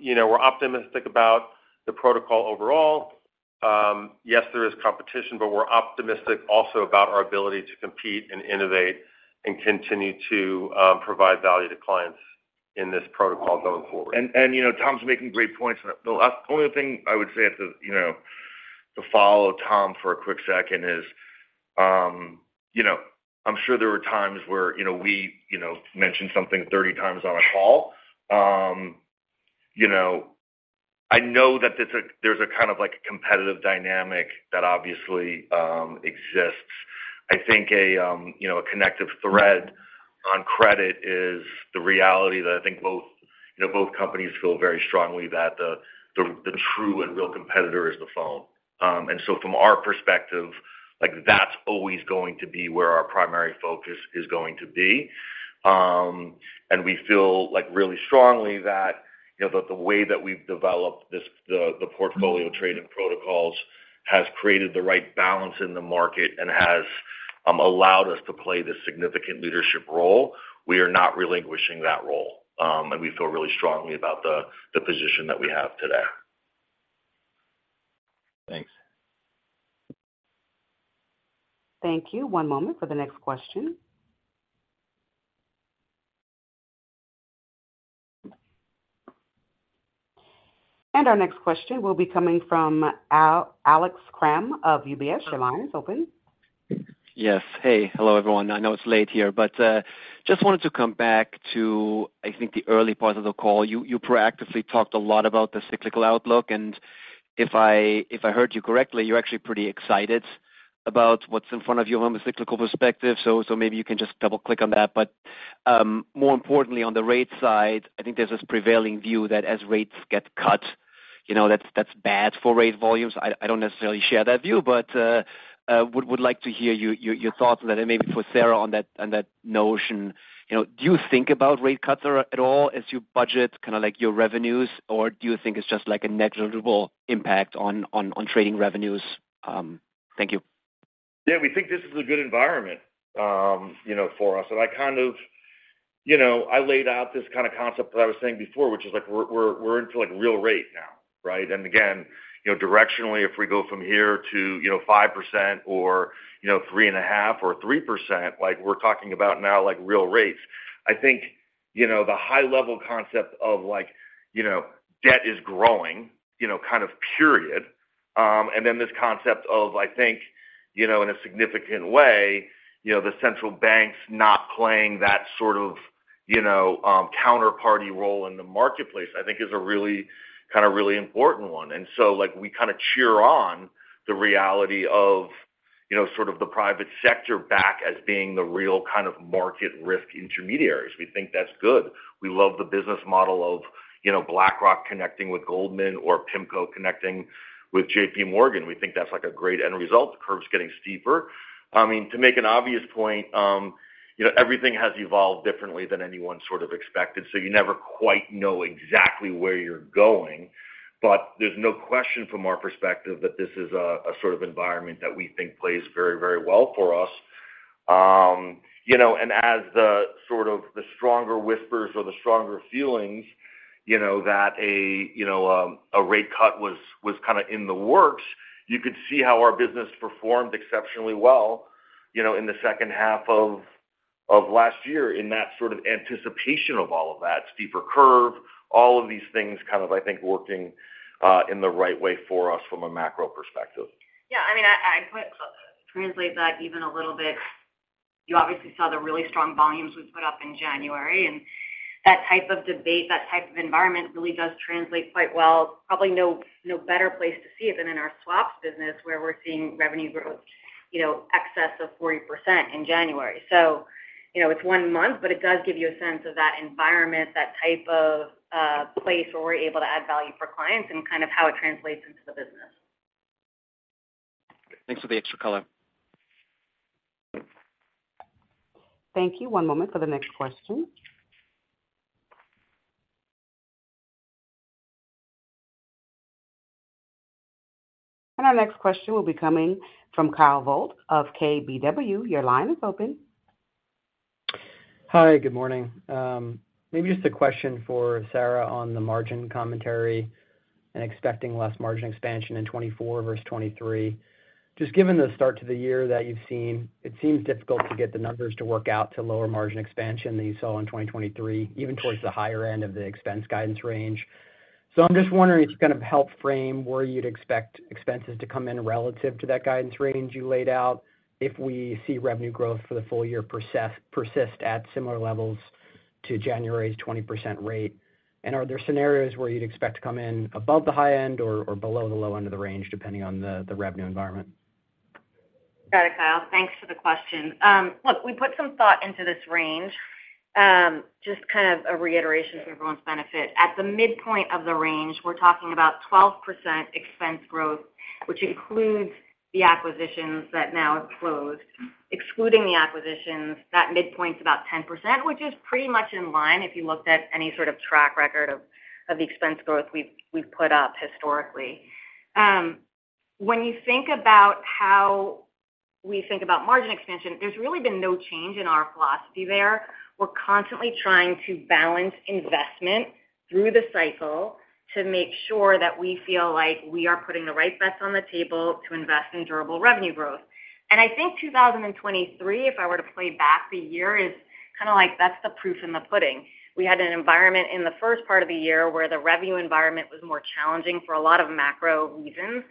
you know, we're optimistic about the protocol overall. Yes, there is competition, but we're optimistic also about our ability to compete and innovate and continue to provide value to clients in this protocol going forward. You know, Tom's making great points. The only thing I would say, you know, to follow Tom for a quick second is, you know, I'm sure there were times where, you know, we, you know, mentioned something 30 times on a call. You know, I know that there's a, kind of, like, a competitive dynamic that obviously exists. I think a, you know, a connective thread on credit is the reality that I think both, you know, both companies feel very strongly that the, the, the true and real competitor is the phone. And so from our perspective, like, that's always going to be where our primary focus is going to be. And we feel like really strongly that, you know, that the way that we've developed this, the portfolio trade and protocols has created the right balance in the market and has allowed us to play this significant leadership role. We are not relinquishing that role, and we feel really strongly about the position that we have today. Thanks. Thank you. One moment for the next question. Our next question will be coming from Alex Kramm of UBS. Your line is open. Yes. Hey. Hello, everyone. I know it's late here, but just wanted to come back to, I think, the early part of the call. You proactively talked a lot about the cyclical outlook, and if I heard you correctly, you're actually pretty excited about what's in front of you from a cyclical perspective. So maybe you can just double-click on that. But more importantly, on the rate side, I think there's this prevailing view that as rates get cut, you know, that's bad for rate volumes. I don't necessarily share that view, but would like to hear your thoughts on that and maybe for Sara on that notion. You know, do you think about rate cuts at all as you budget, kind of like your revenues, or do you think it's just like a negligible impact on trading revenues? Thank you. Yeah, we think this is a good environment, you know, for us. And I kind of... You know, I laid out this kind of concept that I was saying before, which is like we're, we're into, like, real rate now, right? And again, you know, directionally, if we go from here to, you know, 5% or, you know, 3.5 or 3%, like we're talking about now, like, real rates. I think, you know, the high level concept of like, you know, debt is growing, you know, kind of period. And then this concept of, I think, you know, in a significant way, you know, the central banks not playing that sort of, you know, counterparty role in the marketplace, I think is a really, kind of really important one. And so, like, we kind of cheer on the reality of, you know, sort of the private sector back as being the real kind of market risk intermediaries. We think that's good. We love the business model of, you know, BlackRock connecting with Goldman or PIMCO connecting with J.P. Morgan. We think that's like a great end result. The curve's getting steeper. I mean, to make an obvious point, you know, everything has evolved differently than anyone sort of expected, so you never quite know exactly where you're going. But there's no question from our perspective, that this is a sort of environment that we think plays very, very well for us. You know, and as the sort of the stronger whispers or the stronger feelings, you know, that a rate cut was kind of in the works, you could see how our business performed exceptionally well, you know, in the second half of last year in that sort of anticipation of all of that steeper curve, all of these things kind of, I think, working in the right way for us from a macro perspective. Yeah, I mean, I quite translate that even a little bit. You obviously saw the really strong volumes we put up in January, and that type of debate, that type of environment really does translate quite well. Probably no better place to see it than in our swaps business, where we're seeing revenue growth, you know, in excess of 40% in January. So, you know, it's one month, but it does give you a sense of that environment, that type of place where we're able to add value for clients and kind of how it translates into the business. Thanks for the extra color. Thank you. One moment for the next question. Our next question will be coming from Kyle Voigt of KBW. Your line is open. Hi, good morning. Maybe just a question for Sara on the margin commentary and expecting less margin expansion in 2024 versus 2023. Just given the start to the year that you've seen, it seems difficult to get the numbers to work out to lower margin expansion than you saw in 2023, even towards the higher end of the expense guidance range. So I'm just wondering if you can kind of help frame where you'd expect expenses to come in relative to that guidance range you laid out, if we see revenue growth for the full year persist at similar levels to January's 20% rate. And are there scenarios where you'd expect to come in above the high end or, or below the low end of the range, depending on the, the revenue environment? Got it, Kyle. Thanks for the question. Look, we put some thought into this range. Just kind of a reiteration for everyone's benefit. At the midpoint of the range, we're talking about 12% expense growth, which includes the acquisitions that now have closed. Excluding the acquisitions, that midpoint's about 10%, which is pretty much in line if you looked at any sort of track record of the expense growth we've put up historically. When you think about how we think about margin expansion, there's really been no change in our philosophy there. We're constantly trying to balance investment through the cycle to make sure that we feel like we are putting the right bets on the table to invest in durable revenue growth. I think 2023, if I were to play back the year, is kind of like that's the proof in the pudding. We had an environment in the first part of the year where the revenue environment was more challenging for a lot of macro reasons.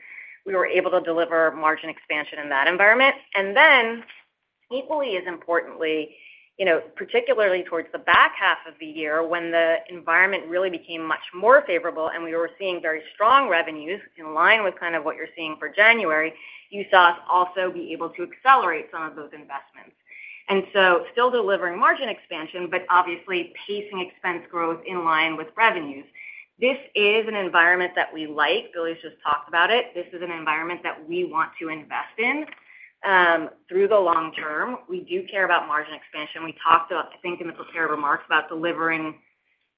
We were able to deliver margin expansion in that environment. And then, equally as importantly, you know, particularly towards the back half of the year, when the environment really became much more favorable and we were seeing very strong revenues in line with kind of what you're seeing for January, you saw us also be able to accelerate some of those investments. And so still delivering margin expansion, but obviously pacing expense growth in line with revenues. This is an environment that we like. Billy's just talked about it. This is an environment that we want to invest in, through the long term. We do care about margin expansion. We talked, I think, in the prepared remarks about delivering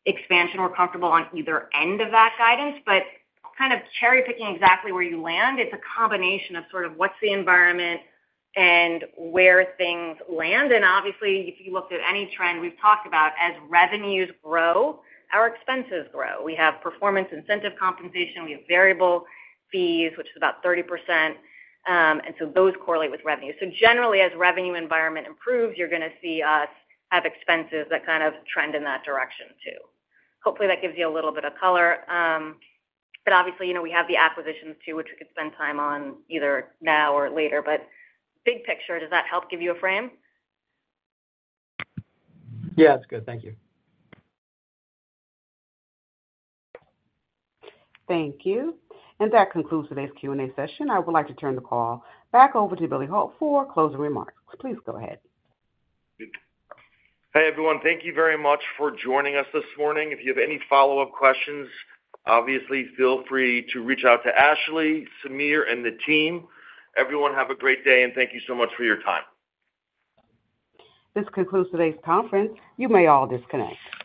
expansion. We're comfortable on either end of that guidance, but kind of cherry-picking exactly where you land, it's a combination of sort of what's the environment and where things land. And obviously, if you looked at any trend we've talked about, as revenues grow, our expenses grow. We have performance incentive compensation, we have variable fees, which is about 30%, and so those correlate with revenue. So generally, as revenue environment improves, you're going to see us have expenses that kind of trend in that direction too. Hopefully, that gives you a little bit of color. But obviously, you know, we have the acquisitions too, which we could spend time on either now or later. But big picture, does that help give you a frame? Yeah, it's good. Thank you. Thank you. That concludes today's Q&A session. I would like to turn the call back over to Billy Hult for closing remarks. Please go ahead. Hey, everyone. Thank you very much for joining us this morning. If you have any follow-up questions, obviously feel free to reach out to Ashley, Samir, and the team. Everyone, have a great day, and thank you so much for your time. This concludes today's conference. You may all disconnect.